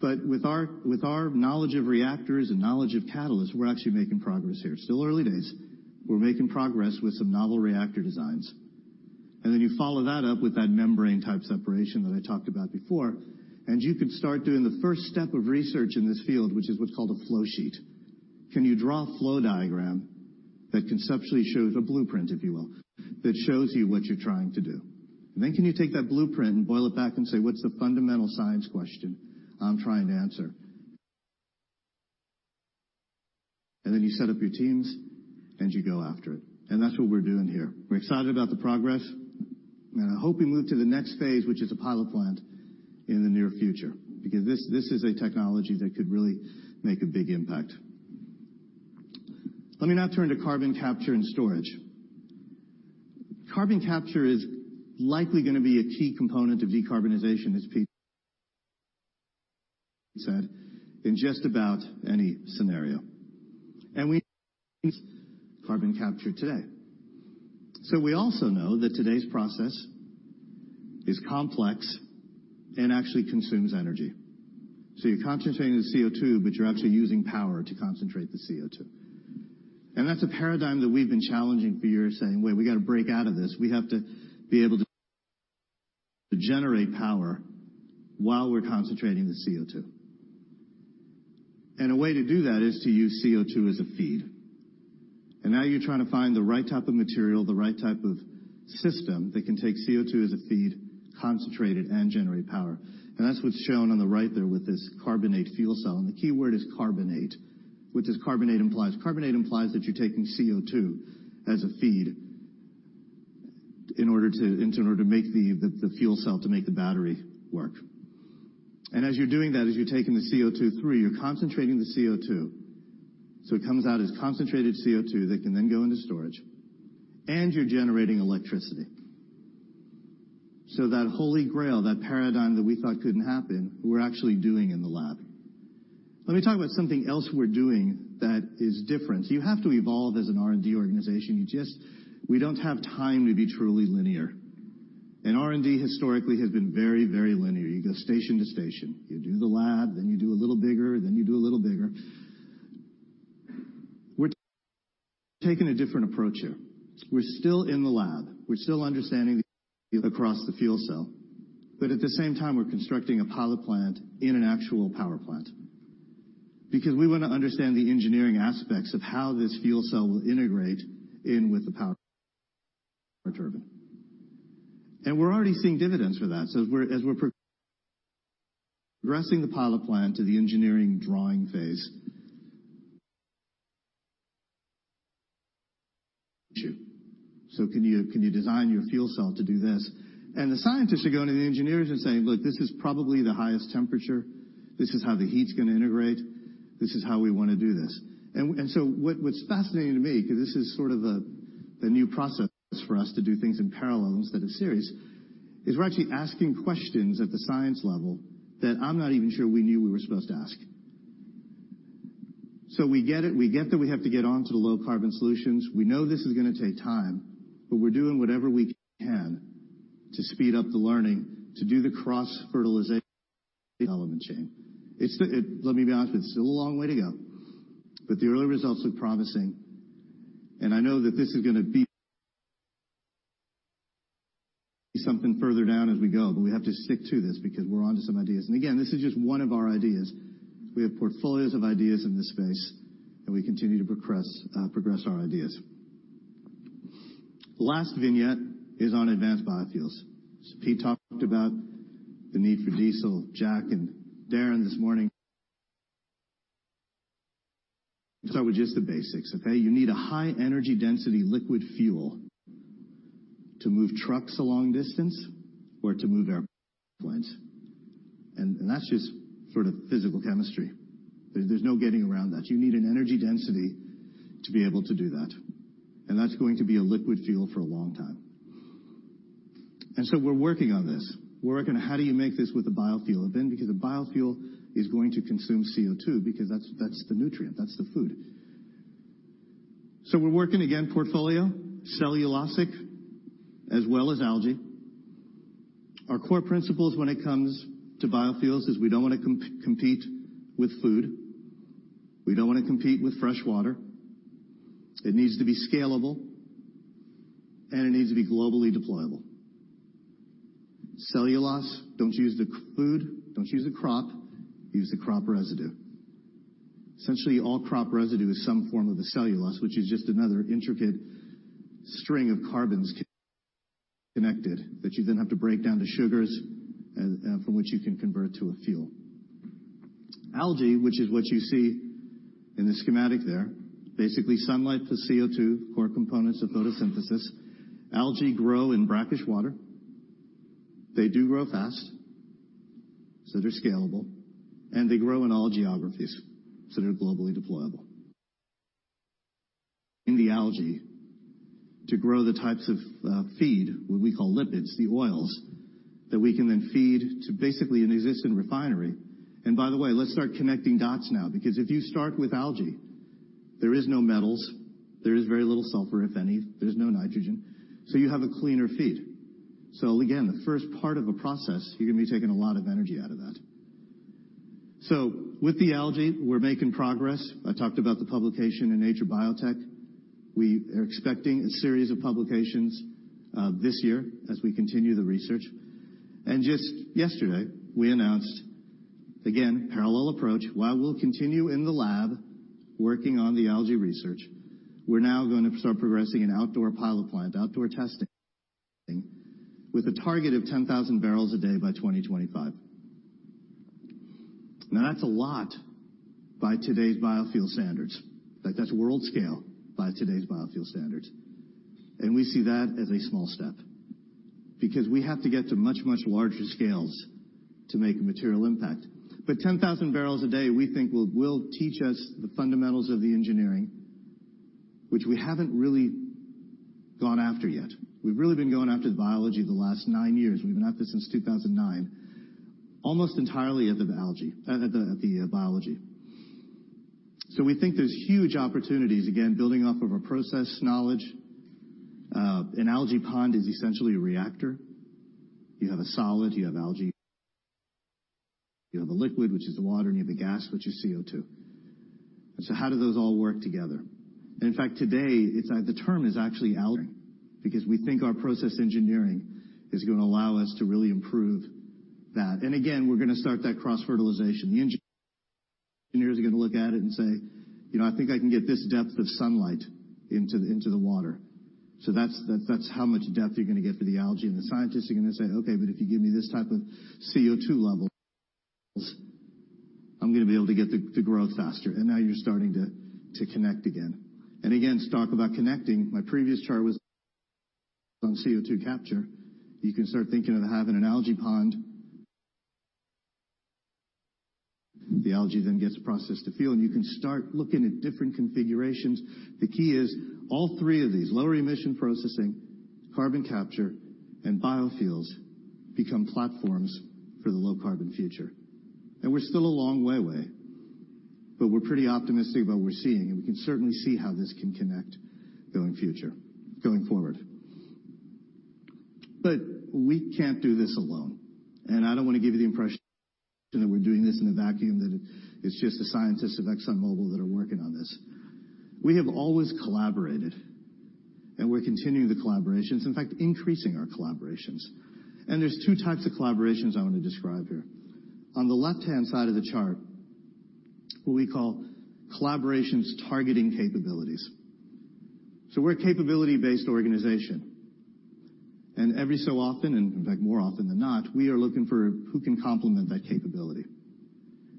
S4: With our knowledge of reactors and knowledge of catalysts, we're actually making progress here. Still early days. We're making progress with some novel reactor designs. You follow that up with that membrane-type separation that I talked about before, and you can start doing the first step of research in this field, which is what's called a flow sheet. Can you draw a flow diagram that conceptually shows a blueprint, if you will, that shows you what you're trying to do? Can you take that blueprint and boil it back and say, "What's the fundamental science question I'm trying to answer?" You set up your teams, and you go after it. That's what we're doing here. We're excited about the progress, and I hope we move to the next phase, which is a pilot plant, in the near future because this is a technology that could really make a big impact. Let me now turn to carbon capture and storage. Carbon capture is likely going to be a key component of decarbonization, as Pete said, in just about any scenario. We use carbon capture today. We also know that today's process is complex and actually consumes energy. You're concentrating the CO2, but you're actually using power to concentrate the CO2. That's a paradigm that we've been challenging for years, saying, "Wait, we got to break out of this." We have to be able to generate power while we're concentrating the CO2. A way to do that is to use CO2 as a feed. Now you're trying to find the right type of material, the right type of system that can take CO2 as a feed, concentrate it, and generate power. That's what's shown on the right there with this carbonate fuel cell, and the keyword is carbonate. What does carbonate implies? Carbonate implies that you're taking CO2 as a feed in order to make the fuel cell to make the battery work. As you're doing that, as you're taking the CO2 through, you're concentrating the CO2, so it comes out as concentrated CO2 that can then go into storage, and you're generating electricity. That holy grail, that paradigm that we thought couldn't happen, we're actually doing in the lab. Let me talk about something else we're doing that is different. You have to evolve as an R&D organization. We don't have time to be truly linear. R&D historically has been very linear. You go station to station. You do the lab, then you do a little bigger, then you do a little bigger. We're taking a different approach here. We're still in the lab. We're still understanding across the fuel cell. At the same time, we're constructing a pilot plant in an actual power plant because we want to understand the engineering aspects of how this fuel cell will integrate in with the power turbine. We're already seeing dividends for that. As we're progressing the pilot plant to the engineering drawing phase issue. Can you design your fuel cell to do this? The scientists are going to the engineers and saying, "Look, this is probably the highest temperature. This is how the heat's going to integrate. What's fascinating to me, because this is sort of the new process for us to do things in parallels that are series, is we're actually asking questions at the science level that I'm not even sure we knew we were supposed to ask. We get that we have to get onto the low carbon solutions. We know this is going to take time, but we're doing whatever we can to speed up the learning to do the cross-fertilization Development chain. Let me be honest with you, it's still a long way to go, but the early results look promising. I know that this is going to be something further down as we go, but we have to stick to this because we're onto some ideas. Again, this is just one of our ideas. We have portfolios of ideas in this space. We continue to progress our ideas. The last vignette is on advanced biofuels. Pete talked about the need for diesel, Jack and Darren this morning. Start with just the basics, okay? You need a high energy density liquid fuel to move trucks a long distance or to move our planes. That's just physical chemistry. There's no getting around that. You need an energy density to be able to do that, and that's going to be a liquid fuel for a long time. We're working on this. Working on how do you make this with a biofuel? Because a biofuel is going to consume CO2, because that's the nutrient, that's the food. We're working, again, portfolio, cellulosic, as well as algae. Our core principles when it comes to biofuels is we don't want to compete with food. We don't want to compete with fresh water. It needs to be scalable, and it needs to be globally deployable. Cellulose, don't use the food, don't use the crop, use the crop residue. Essentially, all crop residue is some form of a cellulose, which is just another intricate string of carbons connected that you then have to break down to sugars from which you can convert to a fuel. Algae, which is what you see in the schematic there, basically sunlight plus CO2, core components of photosynthesis. Algae grow in brackish water. They do grow fast, so they're scalable, and they grow in all geographies, so they're globally deployable. In the algae to grow the types of feed, what we call lipids, the oils that we can then feed to basically an existing refinery. By the way, let's start connecting dots now, because if you start with algae, there is no metals, there is very little sulfur, if any, there's no nitrogen. You have a cleaner feed. Again, the first part of a process, you're going to be taking a lot of energy out of that. With the algae, we're making progress. I talked about the publication in Nature Biotech. We are expecting a series of publications this year as we continue the research. Just yesterday, we announced, again, parallel approach. While we'll continue in the lab working on the algae research, we're now going to start progressing an outdoor pilot plant, outdoor testing with a target of 10,000 barrels a day by 2025. Now, that's a lot by today's biofuel standards. That's world scale by today's biofuel standards. We see that as a small step because we have to get to much, much larger scales to make a material impact. 10,000 barrels a day, we think, will teach us the fundamentals of the engineering, which we haven't really gone after yet. We've really been going after the biology the last nine years. We've been at this since 2009, almost entirely at the biology. We think there's huge opportunities, again, building off of our process knowledge. An algae pond is essentially a reactor. You have a solid, you have algae, you have a liquid, which is the water, and you have a gas, which is CO2. How do those all work together? In fact, today, the term is actually algenere, because we think our process engineering is going to allow us to really improve that. Again, we're going to start that cross-fertilization. The engineers are going to look at it and say, "I think I can get this depth of sunlight into the water." That's how much depth you're going to get for the algae, and the scientists are going to say, "Okay, but if you give me this type of CO2 levels, I'm going to be able to get the growth faster." Now you're starting to connect again. Again, let's talk about connecting. My previous chart was on CO2 capture. You can start thinking of having an algae pond. The algae then gets processed to fuel, and you can start looking at different configurations. The key is all three of these, lower emission processing, carbon capture, and biofuels become platforms for the low carbon future. We're still a long way away, but we're pretty optimistic about what we're seeing, and we can certainly see how this can connect going forward. We can't do this alone, and I don't want to give you the impression that we're doing this in a vacuum, that it's just the scientists of Exxon Mobil that are working on this. We have always collaborated, and we're continuing the collaborations. In fact, increasing our collaborations. There's two types of collaborations I want to describe here. On the left-hand side of the chart, what we call collaborations targeting capabilities. We're a capability-based organization. Every so often, and in fact, more often than not, we are looking for who can complement that capability.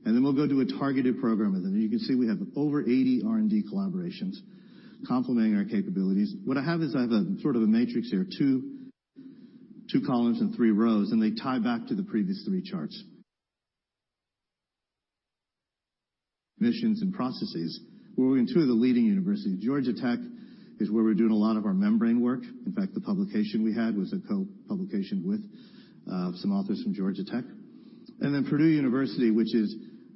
S4: Then we'll go do a targeted program with them. You can see we have over 80 R&D collaborations complementing our capabilities. What I have is I have sort of a matrix here, two columns and three rows, and they tie back to the previous three charts. Missions and processes. We're in two of the leading universities. Georgia Tech is where we're doing a lot of our membrane work. In fact, the publication we had was a co-publication with some authors from Georgia Tech. Then Purdue University, which is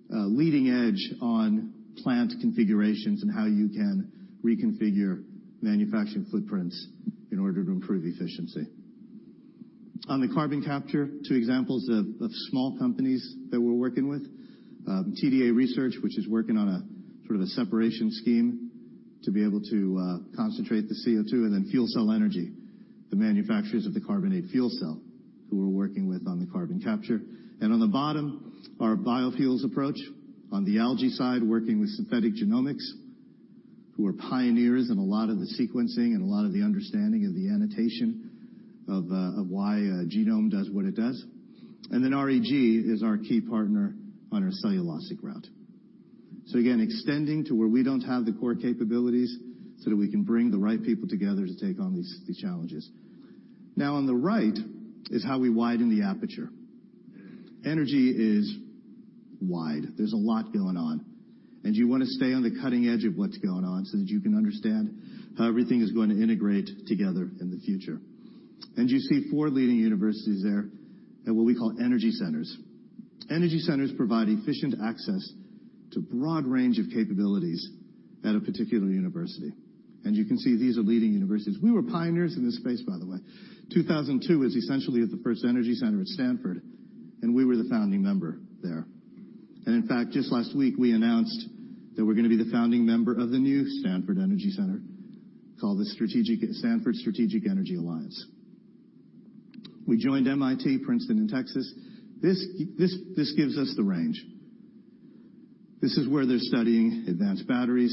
S4: leading edge on plant configurations and how you can reconfigure manufacturing footprints in order to improve efficiency. On the carbon capture, two examples of small companies that we're working with. TDA Research, which is working on a sort of separation scheme to be able to concentrate the CO2, and then FuelCell Energy, the manufacturers of the carbonate fuel cell, who we're working with on the carbon capture. On the bottom, our biofuels approach. On the algae side, working with Synthetic Genomics, who are pioneers in a lot of the sequencing and a lot of the understanding of the annotation of why a genome does what it does. REG is our key partner on our cellulosic route. Again, extending to where we don't have the core capabilities so that we can bring the right people together to take on these challenges. On the right is how we widen the aperture. Energy is wide. There's a lot going on, and you want to stay on the cutting edge of what's going on so that you can understand how everything is going to integrate together in the future. You see four leading universities there at what we call energy centers. Energy centers provide efficient access to broad range of capabilities at a particular university. You can see these are leading universities. We were pioneers in this space, by the way. 2002 was essentially the first energy center at Stanford, and we were the founding member there. In fact, just last week, we announced that we're going to be the founding member of the new Stanford Energy Center called the Stanford Strategic Energy Alliance. We joined MIT, Princeton, and Texas. This gives us the range. This is where they're studying advanced batteries,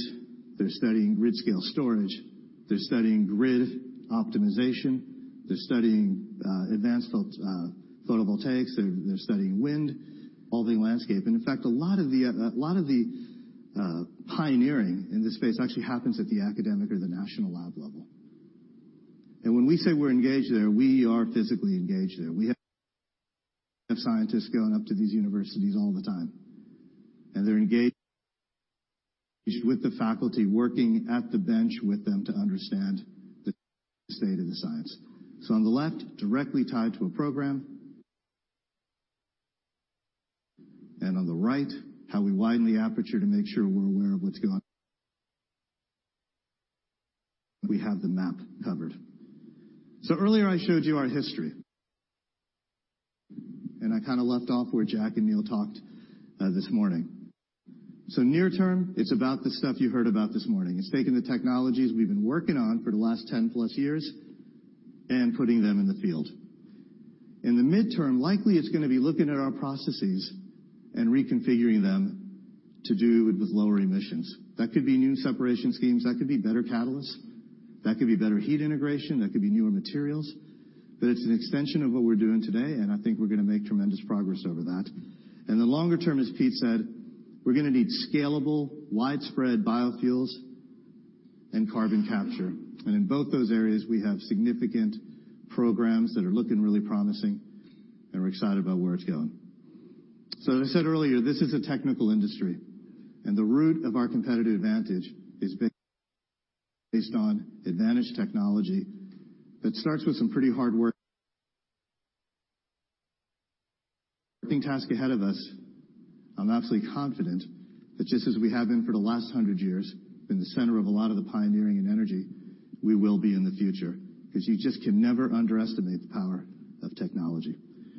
S4: they're studying grid-scale storage, they're studying grid optimization, they're studying advanced photovoltaics, they're studying wind, all the landscape. In fact, a lot of the pioneering in this space actually happens at the academic or the national lab level. When we say we're engaged there, we are physically engaged there. We have scientists going up to these universities all the time, and they're engaged with the faculty, working at the bench with them to understand the state of the science. On the left, directly tied to a program. On the right, how we widen the aperture to make sure we're aware of what's going on. We have the map covered. Earlier, I showed you our history, and I kind of left off where Jack and Neil talked this morning. Near term, it's about the stuff you heard about this morning. It's taking the technologies we've been working on for the last 10+ years and putting them in the field. In the midterm, likely it's going to be looking at our processes and reconfiguring them to do it with lower emissions. That could be new separation schemes, that could be better catalysts, that could be better heat integration, that could be newer materials. It's an extension of what we're doing today, and I think we're going to make tremendous progress over that. The longer term, as Pete said, we're going to need scalable, widespread biofuels and carbon capture. In both those areas, we have significant programs that are looking really promising, and we're excited about where it's going. As I said earlier, this is a technical industry, and the root of our competitive advantage is based on advantage technology that starts with some pretty hard work. Task ahead of us. I'm absolutely confident that just as we have been for the last 100 years, been the center of a lot of the pioneering in energy, we will be in the future, because you just can never underestimate the power of technology.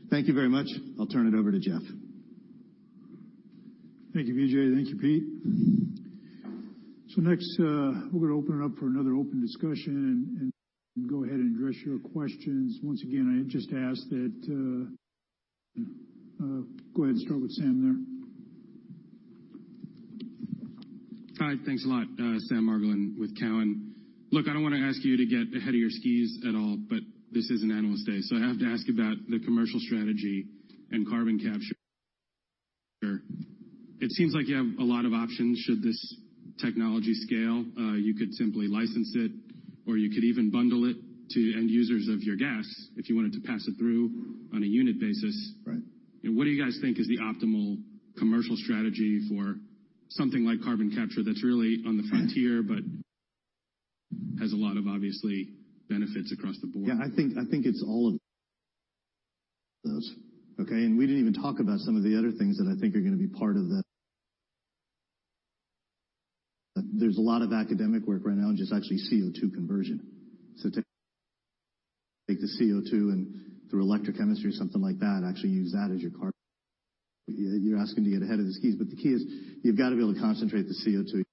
S4: Thank you very much. I'll turn it over to Jeff.
S1: Thank you, Vijay. Thank you, Pete. Next, we're going to open it up for another open discussion and go ahead and address your questions. Once again, I just ask. Go ahead and start with Sam there.
S5: Hi. Thanks a lot. Sam Margolin with Cowen. Look, I don't want to ask you to get ahead of your skis at all. This is an analyst day, I have to ask about the commercial strategy and carbon capture. It seems like you have a lot of options should this technology scale. You could simply license it, or you could even bundle it to end users of your gas if you wanted to pass it through on a unit basis.
S4: Right.
S5: What do you guys think is the optimal commercial strategy for something like carbon capture that's really on the frontier, has a lot of, obviously, benefits across the board?
S4: I think it's all of those. Okay? We didn't even talk about some of the other things that I think are going to be part of that. There's a lot of academic work right now on just actually CO2 conversion. Take the CO2 and through electrochemistry or something like that, actually use that as your carbon. You're asking to get ahead of the skis, the key is you've got to be able to concentrate the CO2.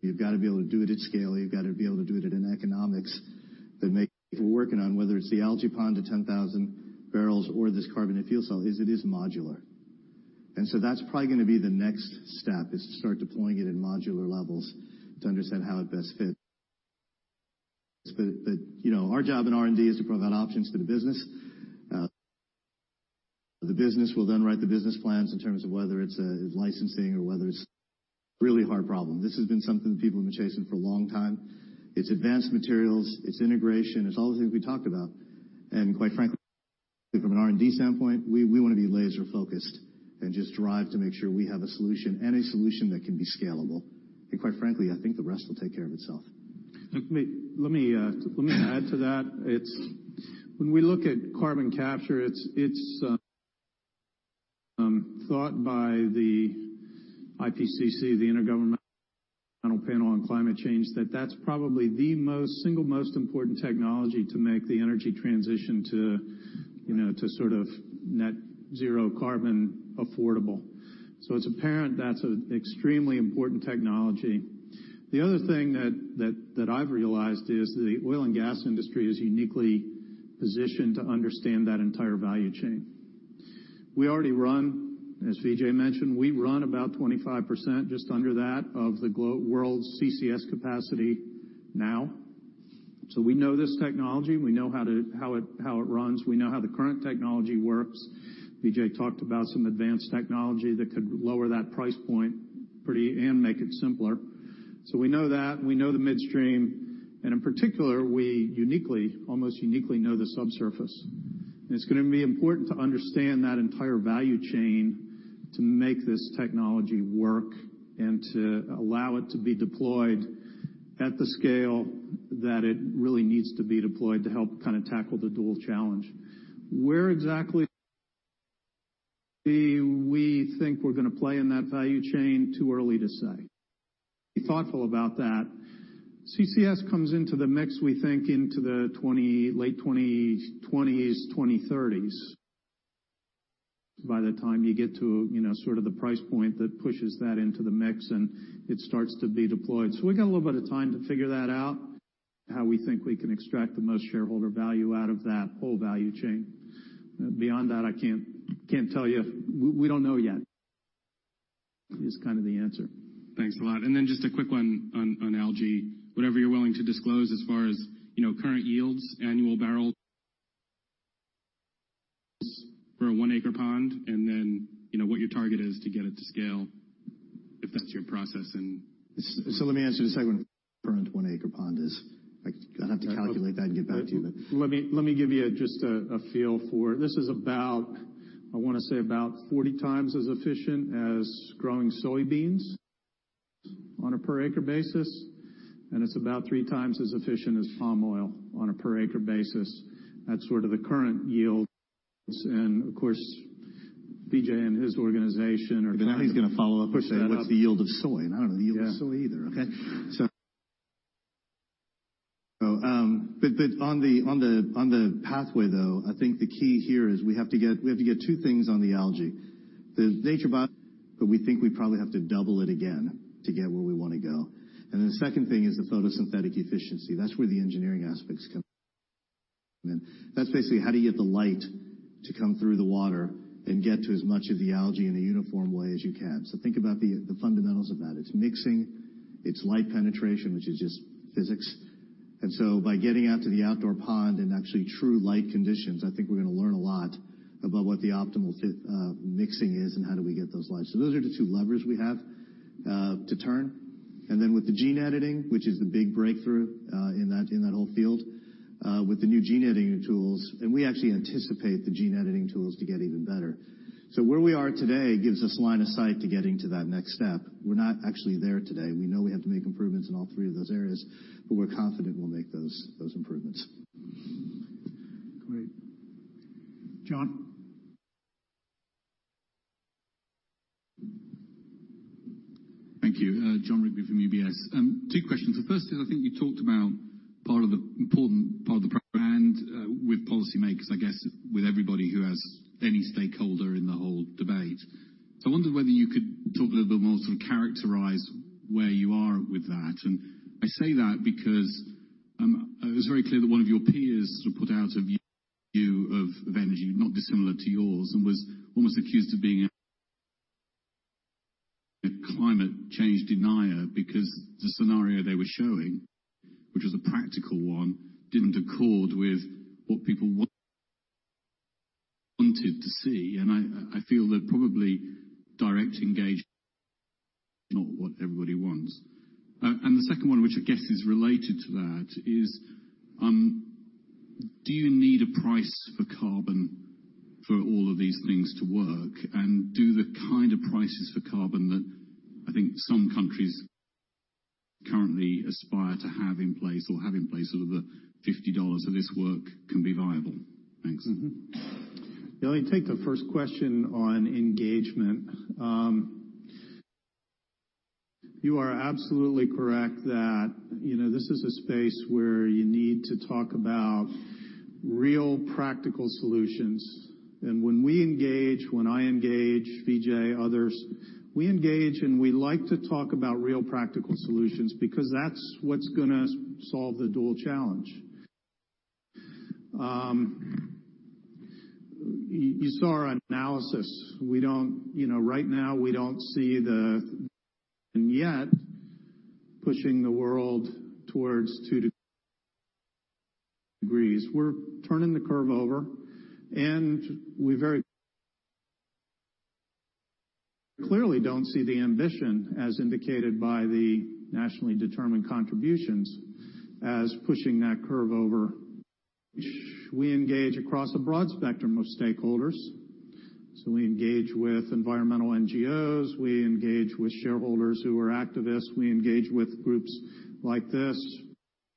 S4: You've got to be able to do it at scale. You've got to be able to do it in economics that make it work, whether it's the algae pond to 10,000 barrels or this carbon fuel cell, it is modular. That's probably going to be the next step, is to start deploying it in modular levels to understand how it best fits. Our job in R&D is to provide options for the business. The business will then write the business plans in terms of whether it's licensing or whether it's really a hard problem. This has been something that people have been chasing for a long time. It's advanced materials, it's integration, it's all the things we talked about. Quite frankly, from an R&D standpoint, we want to be laser-focused and just drive to make sure we have a solution and a solution that can be scalable. Quite frankly, I think the rest will take care of itself.
S3: Let me add to that. When we look at carbon capture, it's It's thought by the IPCC, the Intergovernmental Panel on Climate Change, that that's probably the single most important technology to make the energy transition to net zero carbon affordable. It's apparent that's an extremely important technology. The other thing that I've realized is the oil and gas industry is uniquely positioned to understand that entire value chain. We already run, as Vijay mentioned, we run about 25%, just under that, of the world's CCS capacity now. We know this technology. We know how it runs. We know how the current technology works. Vijay talked about some advanced technology that could lower that price point and make it simpler. We know that, and we know the midstream, and in particular, we almost uniquely know the subsurface. It's going to be important to understand that entire value chain to make this technology work and to allow it to be deployed at the scale that it really needs to be deployed to help tackle the dual challenge. Where exactly we think we're going to play in that value chain, too early to say. Be thoughtful about that. CCS comes into the mix, we think, into the late 2020s, 2030s. By the time you get to the price point that pushes that into the mix and it starts to be deployed. We've got a little bit of time to figure that out, how we think we can extract the most shareholder value out of that whole value chain. Beyond that, I can't tell you. We don't know yet, is kind of the answer.
S5: Thanks a lot. Then just a quick one on algae. Whatever you're willing to disclose as far as current yields, annual barrels for a one-acre pond, and then, what your target is to get it to scale, if that's your process and-
S4: Let me answer the second one, current one-acre pond is. I'd have to calculate that and get back to you, but-
S3: Let me give you just a feel for it. This is about, I want to say, about 40 times as efficient as growing soybeans on a per acre basis, and it's about three times as efficient as palm oil on a per acre basis. That's sort of the current yields. Of course, Vijay and his organization are-
S4: He's going to follow up and say, "What's the yield of soy?" I don't know the yield of soy either.
S3: Okay.
S4: On the pathway, though, I think the key here is we have to get two things on the algae. The nature, but we think we probably have to double it again to get where we want to go. The second thing is the photosynthetic efficiency. That's where the engineering aspects come in. That's basically how do you get the light to come through the water and get to as much of the algae in a uniform way as you can. Think about the fundamentals of that. It's mixing, it's light penetration, which is just physics. By getting out to the outdoor pond and actually true light conditions, I think we're going to learn a lot about what the optimal mixing is and how do we get those lights. Those are the two levers we have to turn. With the gene editing, which is the big breakthrough in that whole field. With the new gene editing tools, we actually anticipate the gene editing tools to get even better. Where we are today gives us line of sight to getting to that next step. We're not actually there today. We know we have to make improvements in all three of those areas, but we're confident we'll make those improvements.
S3: Great. Jon?
S6: Thank you. Jon Rigby from UBS. Two questions. The first is, I think you talked about part of the important part of with policymakers, I guess with everybody who has any stakeholder in the whole debate. I wonder whether you could talk a little bit more, sort of characterize where you are with that. I say that because it was very clear that one of your peers sort of put out a view of energy not dissimilar to yours and was almost accused of being a climate change denier because the scenario they were showing, which was a practical one, didn't accord with what people wanted to see. I feel that probably direct engagement, not what everybody wants. The second one, which I guess is related to that is, do you need a price for carbon for all of these things to work? Do the kind of prices for carbon that I think some countries currently aspire to have in place or have in place, sort of the $50 of this work can be viable? Thanks.
S3: Let me take the first question on engagement. You are absolutely correct that this is a space where you need to talk about real practical solutions. When we engage, when I engage, Vijay, others, we engage and we like to talk about real practical solutions because that's what's going to solve the dual challenge. You saw our analysis. Right now, we don't see the yet pushing the world towards two degrees. We're turning the curve over, we very clearly don't see the ambition as indicated by the nationally determined contributions as pushing that curve over. We engage across a broad spectrum of stakeholders. We engage with environmental NGOs, we engage with shareholders who are activists. We engage with groups like this.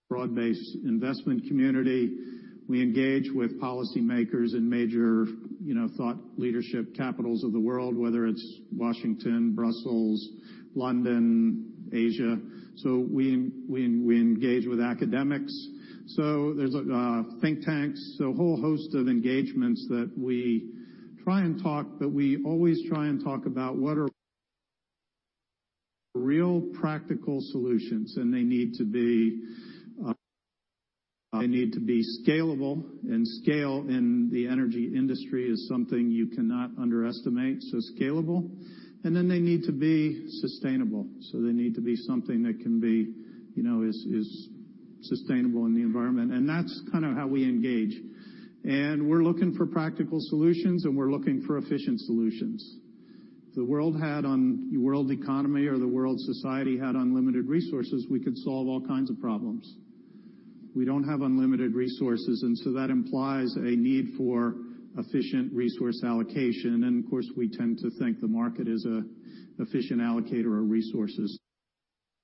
S3: Broad-based investment community. We engage with policymakers in major thought leadership capitals of the world, whether it's Washington, Brussels, London, Asia. We engage with academics. There's think tanks, a whole host of engagements that we try and talk, but we always try and talk about what are real practical solutions, and they need to be scalable, and scale in the energy industry is something you cannot underestimate. Scalable, and then they need to be sustainable. They need to be something that is sustainable in the environment. That's kind of how we engage. We're looking for practical solutions, and we're looking for efficient solutions. If the world economy or the world society had unlimited resources, we could solve all kinds of problems. We don't have unlimited resources, and so that implies a need for efficient resource allocation. Of course, we tend to think the market is an efficient allocator of resources.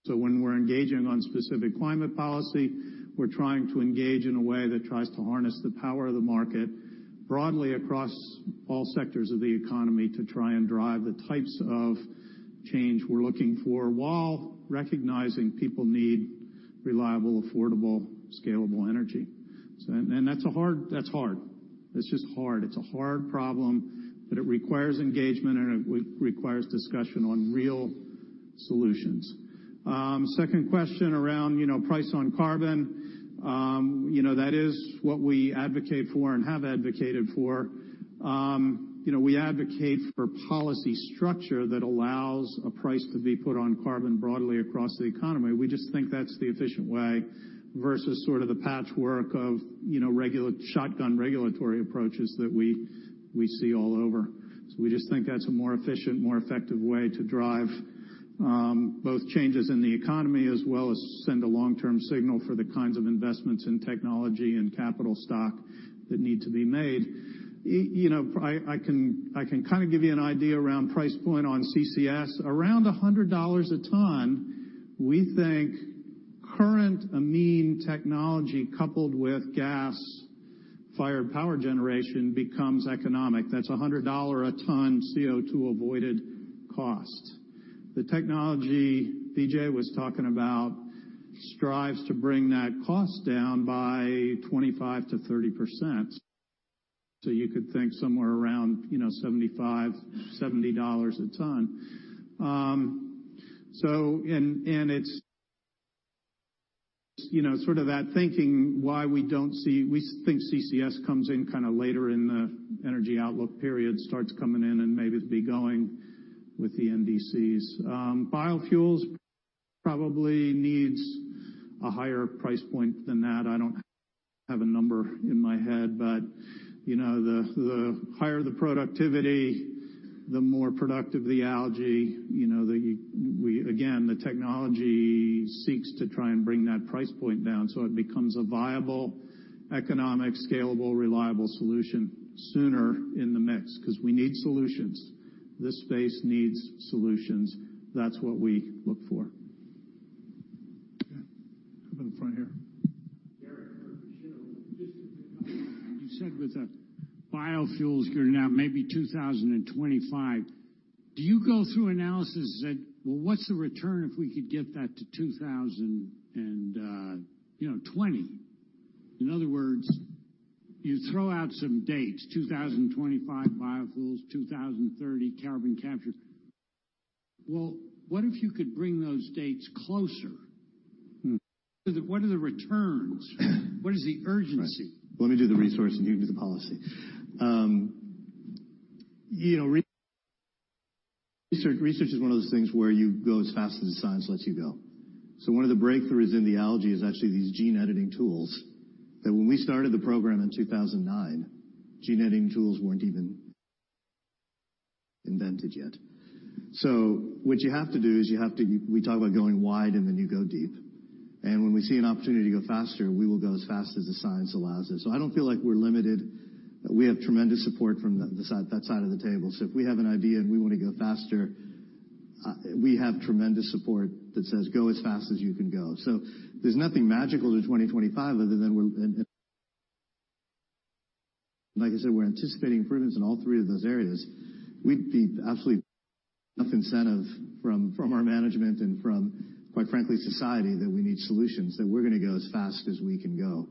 S3: When we're engaging on specific climate policy, we're trying to engage in a way that tries to harness the power of the market broadly across all sectors of the economy to try and drive the types of change we're looking for, while recognizing people need reliable, affordable, scalable energy. That's hard. That's just hard. It's a hard problem, but it requires engagement, and it requires discussion on real solutions. Second question around price on carbon. That is what we advocate for and have advocated for. We advocate for policy structure that allows a price to be put on carbon broadly across the economy. We just think that's the efficient way versus sort of the patchwork of shotgun regulatory approaches that we see all over. We just think that's a more efficient, more effective way to drive both changes in the economy, as well as send a long-term signal for the kinds of investments in technology and capital stock that need to be made. I can kind of give you an idea around price point on CCS. Around $100 a ton, we think current amine technology, coupled with gas-fired power generation, becomes economic. That's $100 a ton CO2 avoided cost. The technology Vijay was talking about strives to bring that cost down by 25%-30%. You could think somewhere around $75, $70 a ton. It's sort of that thinking why we think CCS comes in kind of later in the energy outlook period, starts coming in and maybe be going with the NDCs. Biofuels probably needs a higher price point than that. I don't have a number in my head. The higher the productivity, the more productive the algae. Again, the technology seeks to try and bring that price point down so it becomes a viable, economic, scalable, reliable solution sooner in the mix, because we need solutions. This space needs solutions. That's what we look for.
S1: Okay. How about the front here?
S7: Darren You said with the biofuels gearing out, maybe 2025. Do you go through analysis that, well, what's the return if we could get that to 2020? In other words, you throw out some dates, 2025 biofuels, 2030 carbon capture. Well, what if you could bring those dates closer? What are the returns? What is the urgency?
S4: Right. Let me do the resource, and you can do the policy. Research is one of those things where you go as fast as the science lets you go. One of the breakthroughs in the algae is actually these gene-editing tools, that when we started the program in 2009, gene-editing tools weren't even invented yet. What you have to do is We talk about going wide, and then you go deep. When we see an opportunity to go faster, we will go as fast as the science allows us. I don't feel like we're limited. We have tremendous support from that side of the table.
S3: If we have an idea and we want to go faster, we have tremendous support that says, "Go as fast as you can go." There's nothing magical to 2025 other than Like I said, we're anticipating improvements in all three of those areas. We'd be absolutely enough incentive from our management and from, quite frankly, society, that we need solutions, that we're going to go as fast as we can go.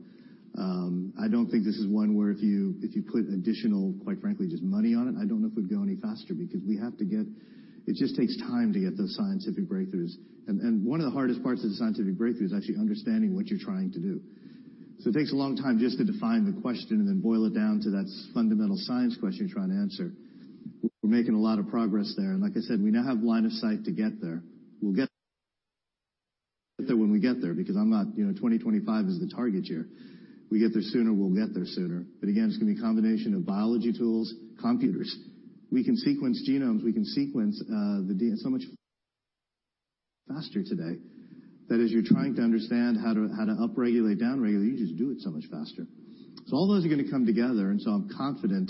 S3: I don't think this is one where if you put additional, quite frankly, just money on it, I don't know if we'd go any faster because It just takes time to get those scientific breakthroughs. One of the hardest parts of the scientific breakthrough is actually understanding what you're trying to do. It takes a long time just to define the question and then boil it down to that fundamental science question you're trying to answer. We're making a lot of progress there, and like I said, we now have line of sight to get there. We'll get there when we get there, because 2025 is the target year. We get there sooner, we'll get there sooner. Again, it's going to be a combination of biology tools, computers. We can sequence genomes, we can sequence the DNA so much faster today that as you're trying to understand how to up-regulate, down-regulate, you just do it so much faster. All those are going to come together, and I'm confident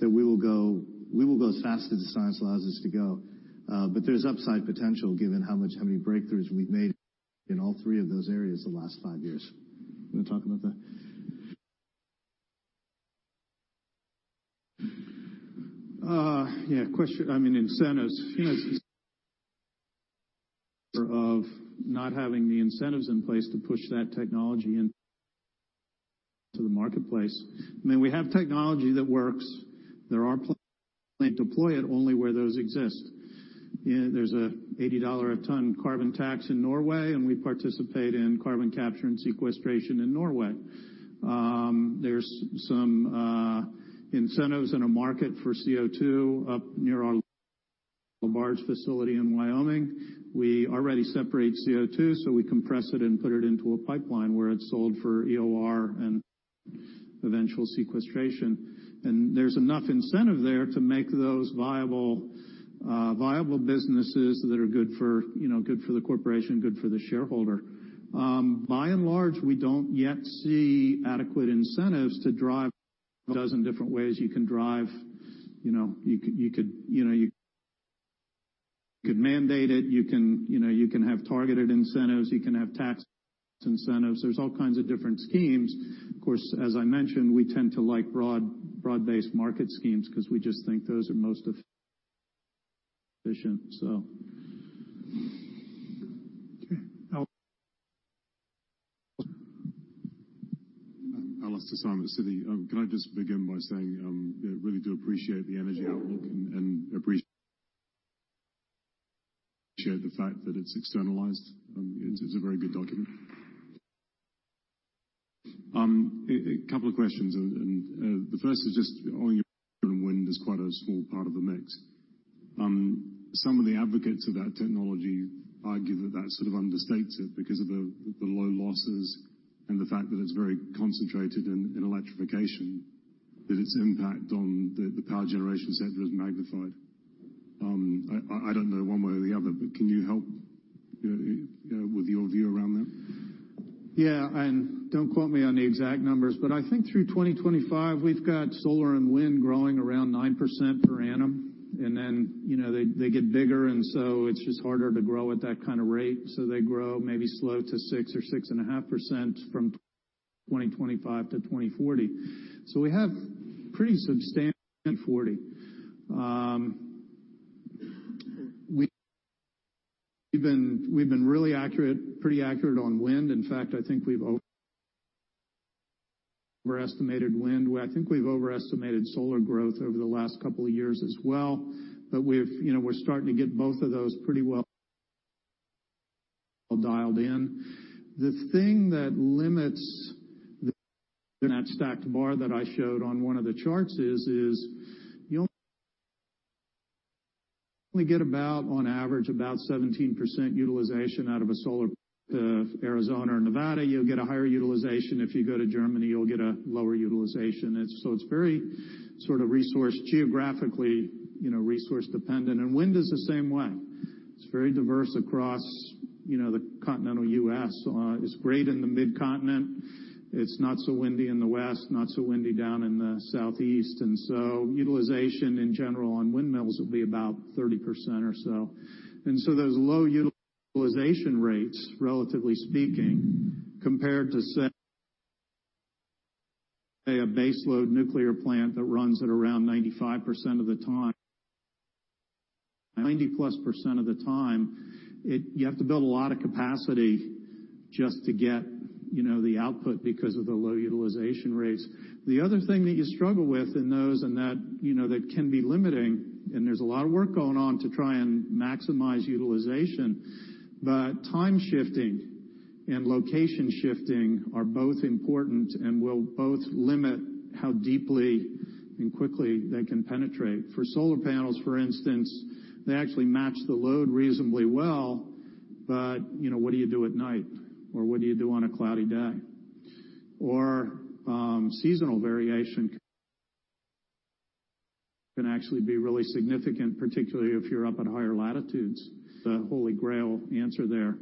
S4: That we will go as fast as the science allows us to go. There's upside potential given how many breakthroughs we've made in all three of those areas the last five years. You want to talk about that?
S3: Yeah. Question, incentives. Of not having the incentives in place to push that technology into the marketplace. We have technology that works. There are deploy it only where those exist. There's an $80 a ton carbon tax in Norway, and we participate in carbon capture and sequestration in Norway. There's some incentives in a market for CO2 up near our large facility in Wyoming. We already separate CO2, so we compress it and put it into a pipeline where it's sold for EOR and eventual sequestration. There's enough incentive there to make those viable businesses that are good for the corporation, good for the shareholder. By and large, we don't yet see adequate incentives to drive a dozen different ways you can drive. You could mandate it, you can have targeted incentives. You can have tax incentives. There's all kinds of different schemes. Of course, as I mentioned, we tend to like broad-based market schemes because we just think those are most efficient. Okay. Al.
S8: Alastair Syme at Citi. Can I just begin by saying, I really do appreciate the energy outlook and appreciate the fact that it's externalized. It's a very good document. A couple of questions. The first is just on your wind is quite a small part of the mix. Some of the advocates of that technology argue that that sort of understates it because of the low losses and the fact that it's very concentrated in electrification, that its impact on the power generation sector is magnified. I don't know one way or the other, but can you help with your view around that?
S3: Yeah. Don't quote me on the exact numbers, but I think through 2025, we've got solar and wind growing around 9% per annum, then they get bigger, so it's just harder to grow at that kind of rate. They grow maybe slow to 6% or 6.5% from 2025 to 2040. We have pretty substantial 40. We've been pretty accurate on wind. In fact, I think we've overestimated wind. Well, I think we've overestimated solar growth over the last couple of years as well. We're starting to get both of those pretty well dialed in. The thing that limits in that stacked bar that I showed on one of the charts is you only get about, on average, about 17% utilization out of a solar. If Arizona or Nevada, you'll get a higher utilization. If you go to Germany, you'll get a lower utilization. It's very sort of geographically resource dependent. Wind is the same way. It's very diverse across the continental U.S. It's great in the mid-continent. It's not so windy in the west, not so windy down in the southeast. Utilization in general on windmills will be about 30% or so. Those low utilization rates, relatively speaking, compared to, say, a base load nuclear plant that runs at around 95% of the time, 90-plus% of the time. You have to build a lot of capacity just to get the output because of the low utilization rates. The other thing that you struggle with in those, and that can be limiting, and there's a lot of work going on to try and maximize utilization. Time shifting and location shifting are both important and will both limit how deeply and quickly they can penetrate. For solar panels, for instance, they actually match the load reasonably well. What do you do at night? What do you do on a cloudy day? Seasonal variation can actually be really significant, particularly if you're up at higher latitudes. The Holy Grail answer there.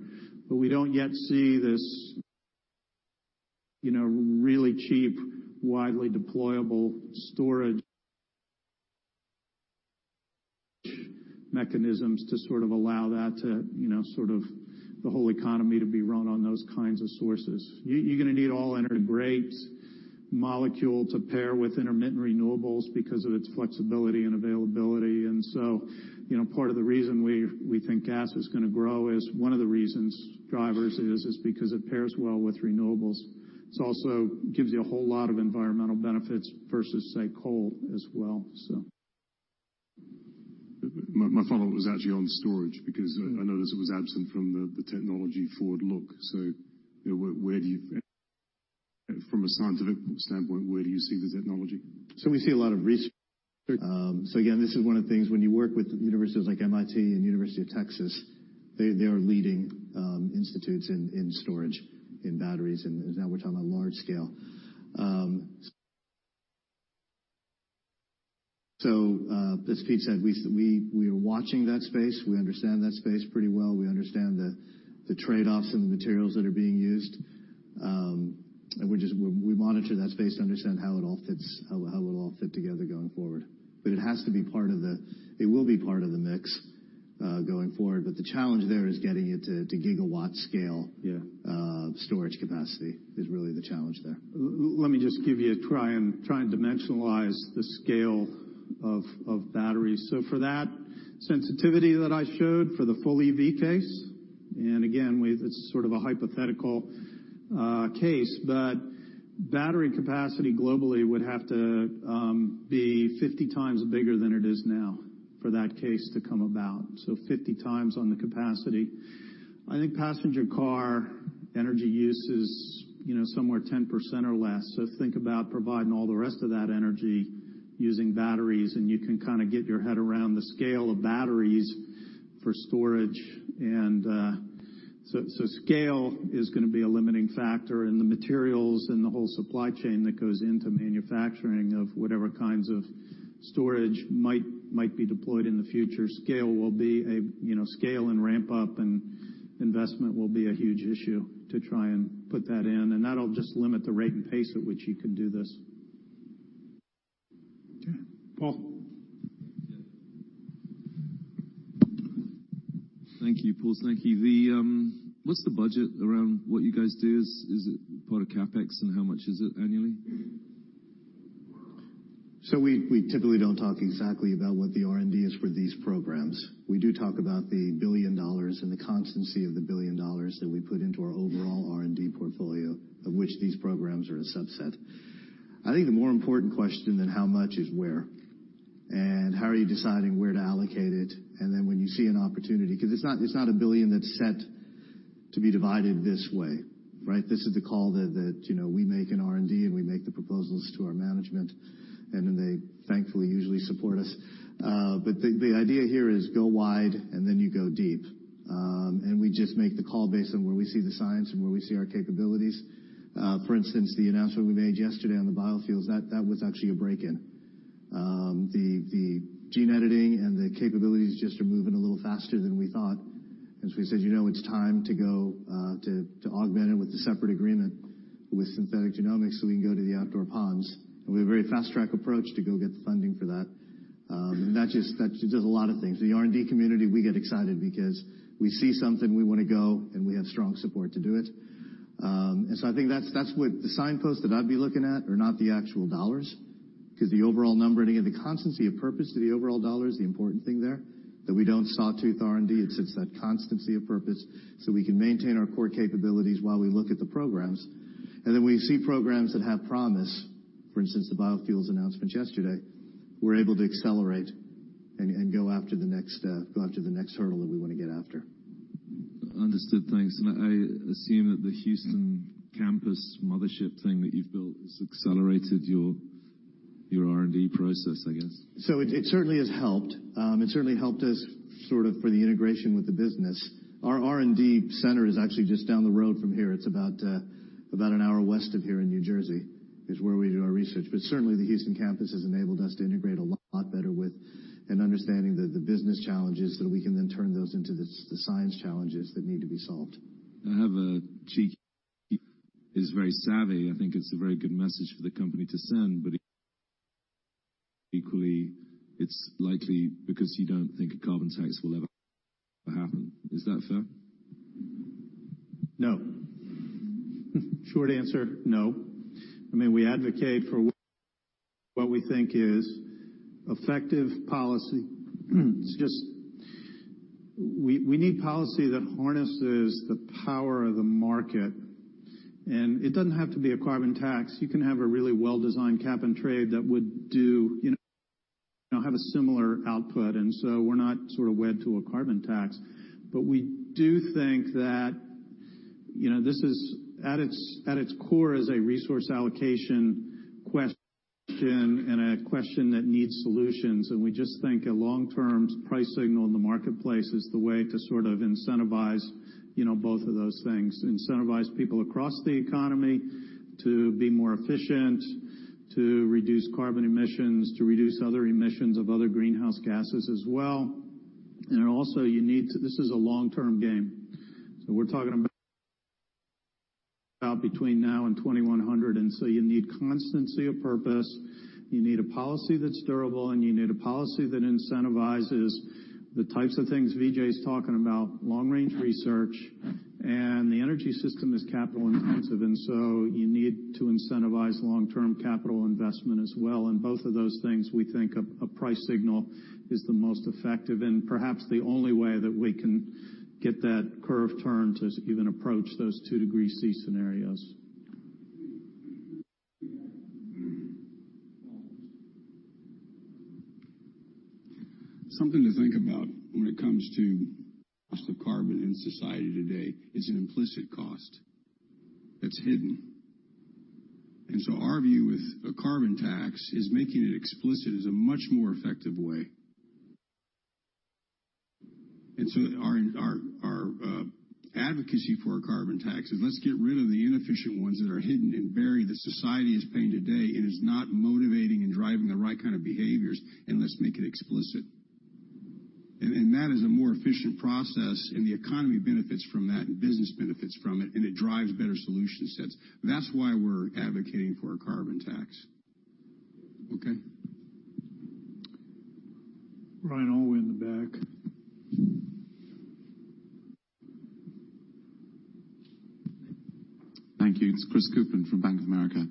S3: We don't yet see this really cheap, widely deployable storage mechanisms to sort of allow that to the whole economy to be run on those kinds of sources. You're going to need all integrated molecule to pair with intermittent renewables because of its flexibility and availability. Part of the reason we think gas is going to grow is because it pairs well with renewables. It also gives you a whole lot of environmental benefits versus, say, coal as well.
S8: My follow-up was actually on storage because I noticed it was absent from the technology forward look. From a scientific standpoint, where do you see the technology?
S4: We see a lot of research. Again, this is one of the things when you work with universities like MIT and University of Texas, they are leading institutes in storage, in batteries, and now we're talking about large scale. As Pete said, we are watching that space. We understand that space pretty well. We understand the trade-offs and the materials that are being used. We monitor that space to understand how it'll all fit together going forward. It will be part of the mix going forward. The challenge there is getting it to gigawatt scale-
S3: Yeah
S4: storage capacity is really the challenge there.
S3: Let me just give you a try and dimensionalize the scale of battery. For that sensitivity that I showed for the full EV case, and again, it's sort of a hypothetical case, but battery capacity globally would have to be 50 times bigger than it is now for that case to come about. 50 times on the capacity. I think passenger car energy use is somewhere 10% or less. Think about providing all the rest of that energy using batteries, and you can kind of get your head around the scale of batteries for storage. Scale is going to be a limiting factor in the materials and the whole supply chain that goes into manufacturing of whatever kinds of storage might be deployed in the future. Scale and ramp-up and investment will be a huge issue to try and put that in. That'll just limit the rate and pace at which you can do this.
S4: Okay. Paul.
S7: Thank you, Paul. Thank you. What's the budget around what you guys do? Is it part of CapEx and how much is it annually?
S4: We typically don't talk exactly about what the R&D is for these programs. We do talk about the $1 billion and the constancy of the $1 billion that we put into our overall R&D portfolio, of which these programs are a subset. I think the more important question than how much is where. How are you deciding where to allocate it, then when you see an opportunity, because it's not a $1 billion that's set to be divided this way, right? This is the call that we make in R&D, and we make the proposals to our management, and then they thankfully usually support us. The idea here is go wide and then you go deep. We just make the call based on where we see the science and where we see our capabilities. For instance, the announcement we made yesterday on the biofuels, that was actually a break-in. The gene editing and the capabilities just are moving a little faster than we thought. We said it's time to go to augment it with the separate agreement with Synthetic Genomics so we can go to the outdoor ponds. We have a very fast-track approach to go get the funding for that. That just does a lot of things. The R&D community, we get excited because we see something we want to go, and we have strong support to do it. I think that's what the signpost that I'd be looking at are not the actual $, because the overall number and again, the constancy of purpose to the overall $ is the important thing there, that we don't sawtooth R&D. It's that constancy of purpose so we can maintain our core capabilities while we look at the programs. We see programs that have promise. For instance, the biofuels announcement yesterday. We're able to accelerate and go after the next hurdle that we want to get after.
S7: Understood. Thanks. I assume that the Houston campus mothership thing that you've built has accelerated your R&D process, I guess.
S4: It certainly has helped. It certainly helped us sort of for the integration with the business. Our R&D center is actually just down the road from here. It's about an hour west of here in New Jersey is where we do our research. Certainly, the Houston campus has enabled us to integrate a lot better with an understanding of the business challenges that we can then turn those into the science challenges that need to be solved.
S7: I have a. [inaudible] I think it's a very good message for the company to send, equally it's likely because you don't think a carbon tax will ever happen. Is that fair?
S3: No. Short answer, no. We advocate for what we think is effective policy. It's just we need policy that harnesses the power of the market. It doesn't have to be a carbon tax. You can have a really well-designed cap and trade that would have a similar output. We're not sort of wed to a carbon tax. We do think that this is at its core is a resource allocation question and a question that needs solutions. We just think a long-term price signal in the marketplace is the way to sort of incentivize both of those things. Incentivize people across the economy to be more efficient, to reduce carbon emissions, to reduce other emissions of other greenhouse gases as well. This is a long-term game. We're talking about between now and 2100. You need constancy of purpose. You need a policy that's durable, you need a policy that incentivizes the types of things Vijay's talking about, long-range research. The energy system is capital intensive, you need to incentivize long-term capital investment as well. Both of those things, we think a price signal is the most effective and perhaps the only way that we can get that curve turned to even approach those 2 degrees C scenarios. Something to think about when it comes to cost of carbon in society today is an implicit cost that's hidden. Our view with a carbon tax is making it explicit is a much more effective way. Our advocacy for a carbon tax is let's get rid of the inefficient ones that are hidden and buried that society is paying today, and is not motivating and driving the right kind of behaviors, and let's make it explicit.
S2: That is a more efficient process, and the economy benefits from that, and business benefits from it, and it drives better solution sets. That's why we're advocating for a carbon tax. Okay? Ryan, all the way in the back.
S9: Thank you. It's Chris Cooper from Bank of America.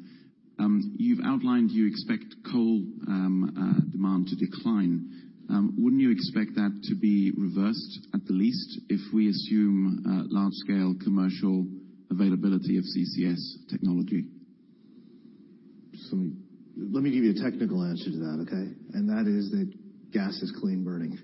S9: You've outlined you expect coal demand to decline. Wouldn't you expect that to be reversed, at the least, if we assume large-scale commercial availability of CCS technology?
S4: Let me give you a technical answer to that, okay? That is that gas is clean burning.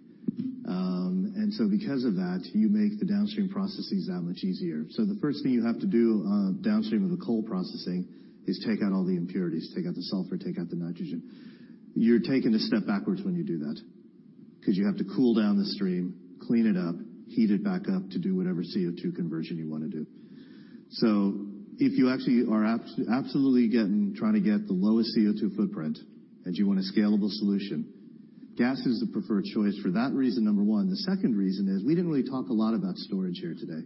S4: Because of that, you make the downstream processes that much easier. The first thing you have to do downstream of the coal processing is take out all the impurities, take out the sulfur, take out the nitrogen. You're taking a step backwards when you do that, because you have to cool down the stream, clean it up, heat it back up to do whatever CO2 conversion you want to do. If you actually are absolutely trying to get the lowest CO2 footprint, and you want a scalable solution, gas is the preferred choice for that reason, number one. The second reason is, we didn't really talk a lot about storage here today.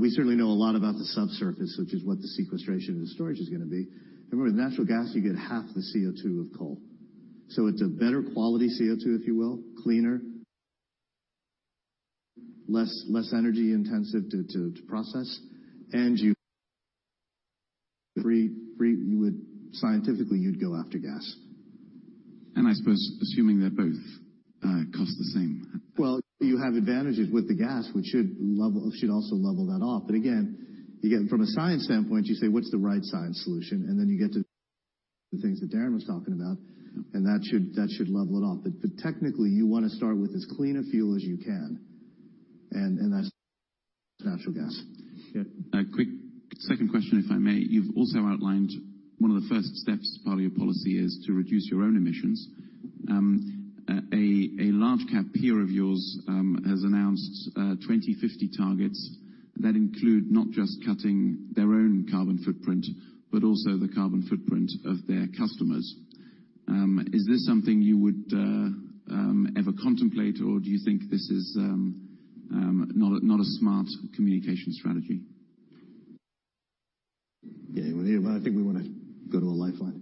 S4: We certainly know a lot about the subsurface, which is what the sequestration and storage is going to be. Remember, with natural gas, you get half the CO2 of coal. It's a better quality CO2, if you will, cleaner, less energy intensive to process. Scientifically, you'd go after gas.
S9: I suppose assuming they both cost the same.
S4: Well, you have advantages with the gas, which should also level that off. Again, from a science standpoint, you say, "What's the right science solution?" Then you get to the things that Darren was talking about, that should level it off. Technically, you want to start with as clean a fuel as you can. That's natural gas.
S9: Yeah. A quick second question, if I may. You've also outlined one of the first steps as part of your policy is to reduce your own emissions. A large cap peer of yours has announced 2050 targets that include not just cutting their own carbon footprint, but also the carbon footprint of their customers. Is this something you would ever contemplate, or do you think this is not a smart communication strategy?
S2: Well, I think we want to go to a lifeline.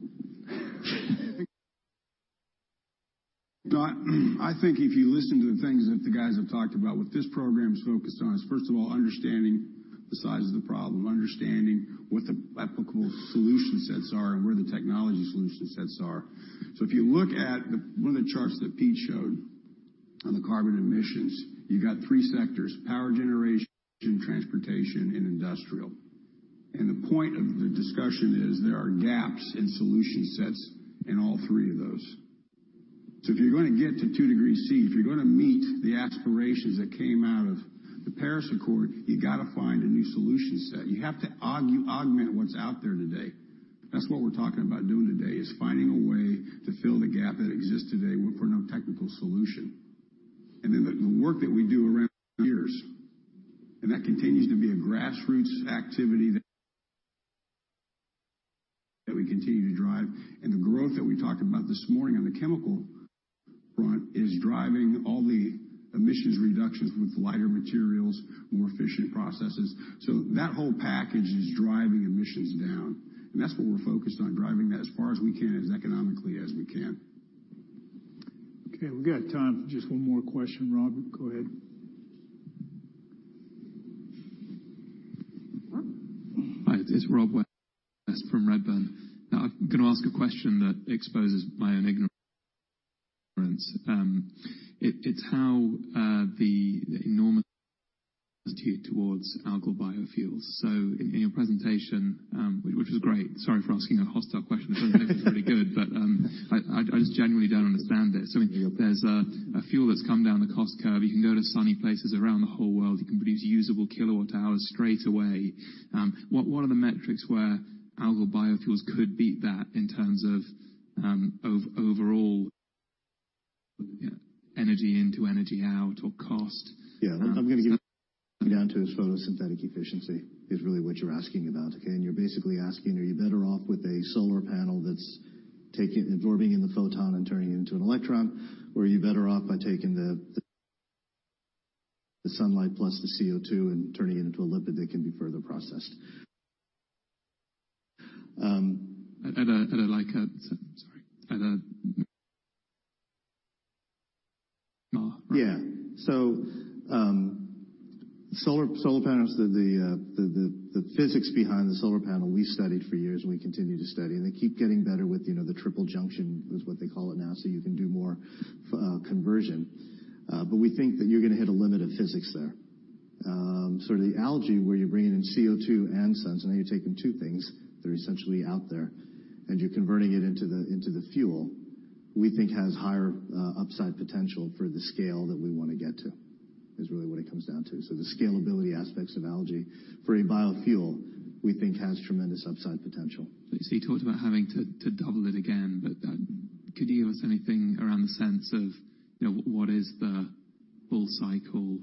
S2: I think if you listen to the things that the guys have talked about, what this program is focused on is, first of all, understanding the size of the problem, understanding what the applicable solution sets are, and where the technology solution sets are. If you look at one of the charts that Pete showed on the carbon emissions, you've got three sectors, power generation, transportation, and industrial. The point of the discussion is there are gaps in solution sets in all three of those. If you're going to get to two degrees C, if you're going to meet the aspirations that came out of the Paris Accord, you got to find a new solution set. You have to augment what's out there today. That's what we're talking about doing today, is finding a way to fill the gap that exists today for no technical solution. The work that we do around, [inaudible] and that continues to be a grassroots activity that we continue to drive. The growth that we talked about this morning on the chemical front is driving all the emissions reductions with lighter materials, more efficient processes. That whole package is driving emissions down. That's what we're focused on, driving that as far as we can, as economically as we can. Okay, we've got time for just one more question. Rob, go ahead.
S10: Hi, it's Rob West from Redburn. I'm going to ask a question that exposes my own ignorance. It's how the enormous attention towards algal biofuels. In your presentation, which was great. Sorry for asking a hostile question. I know it's really good, but I just genuinely don't understand it. There's a fuel that's come down the cost curve. You can go to sunny places around the whole world. You can produce usable kilowatt hours straight away. What are the metrics where algal biofuels could beat that in terms of overall energy into energy out or cost?
S4: Yeah. What I'm going to give you come down to is photosynthetic efficiency is really what you're asking about, okay? You're basically asking, are you better off with a solar panel that's absorbing in the photon and turning it into an electron, or are you better off by taking the sunlight plus the CO2 and turning it into a lipid that can be further processed?
S10: sorry.
S4: Yeah. Solar panels, the physics behind the solar panel, we studied for years, and we continue to study. They keep getting better with the triple junction, is what they call it now, so you can do more conversion. We think that you're going to hit a limit of physics there. The algae, where you're bringing in CO2 and sun, now you're taking two things that are essentially out there, and you're converting it into the fuel, we think has higher upside potential for the scale that we want to get to, is really what it comes down to. The scalability aspects of algae for a biofuel, we think has tremendous upside potential.
S10: You talked about having to double it again. Could you give us anything around the sense of what is the full cycle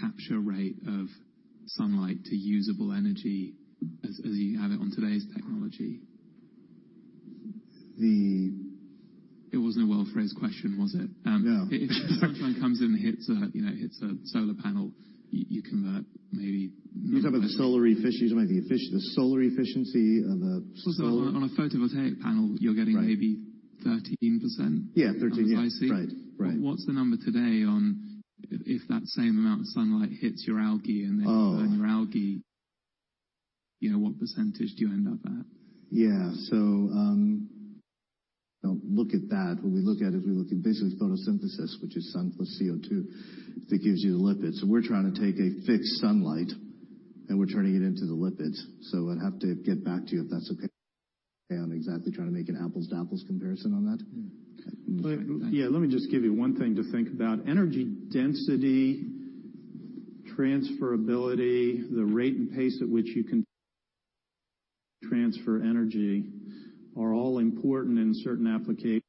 S10: capture rate of sunlight to usable energy as you have it on today's technology? It wasn't a well-phrased question, was it?
S4: No.
S10: If the sunshine comes in and hits a solar panel, you convert.
S4: You're talking about the solar efficiency, the solar efficiency of a cell?
S10: On a photovoltaic panel, you're getting maybe 13%? Yeah, 13. Yeah. That's what I see.
S4: Right.
S10: What's the number today on if that same amount of sunlight hits your algae?
S4: Oh
S10: you burn your algae, what percentage do you end up at?
S4: Yeah. Don't look at that. What we look at is we look at basically photosynthesis, which is sun plus CO2, that gives you the lipids. We're trying to take a fixed sunlight, and we're turning it into the lipids. I'd have to get back to you, if that's okay. I'm exactly trying to make an apples to apples comparison on that.
S3: Yeah. Let me just give you one thing to think about. Energy density, transferability, the rate and pace at which you can transfer energy are all important in certain applications.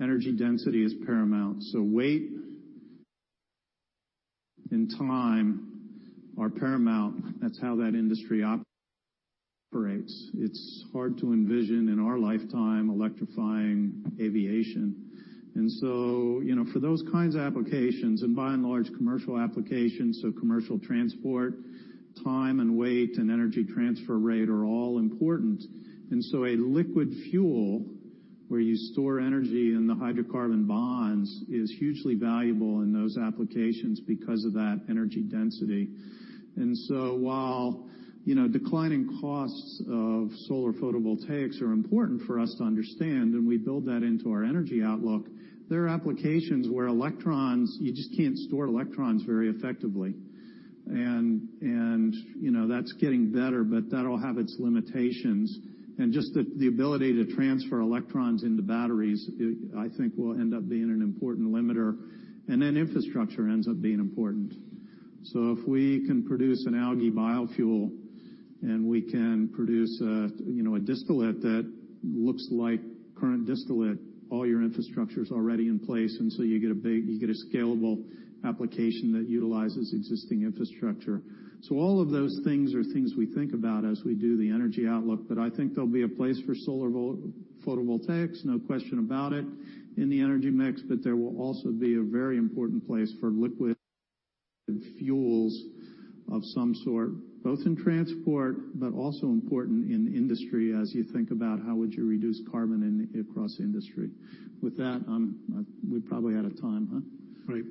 S3: Energy density is paramount. Weight and time are paramount. That's how that industry operates. It's hard to envision, in our lifetime, electrifying aviation. For those kinds of applications, and by and large, commercial applications, so commercial transport, time and weight and energy transfer rate are all important. A liquid fuel where you store energy in the hydrocarbon bonds is hugely valuable in those applications because of that energy density. While declining costs of solar photovoltaics are important for us to understand, and we build that into our energy outlook, there are applications where you just can't store electrons very effectively. That's getting better, but that'll have its limitations. Just the ability to transfer electrons into batteries, I think, will end up being an important limiter. Infrastructure ends up being important. If we can produce an algae biofuel, and we can produce a distillate that looks like current distillate, all your infrastructure's already in place, you get a scalable application that utilizes existing infrastructure. All of those things are things we think about as we do the energy outlook. I think there'll be a place for solar photovoltaics, no question about it, in the energy mix, but there will also be a very important place for liquid fuels of some sort, both in transport, but also important in industry as you think about how would you reduce carbon across industry. With that, we're probably out of time, huh?
S1: Right.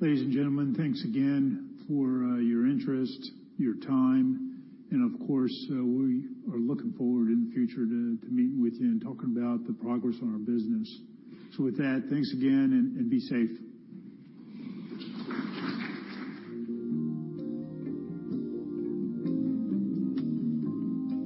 S1: Ladies and gentlemen, thanks again for your interest, your time, and of course, we are looking forward in the future to meeting with you and talking about the progress on our business. With that, thanks again, and be safe.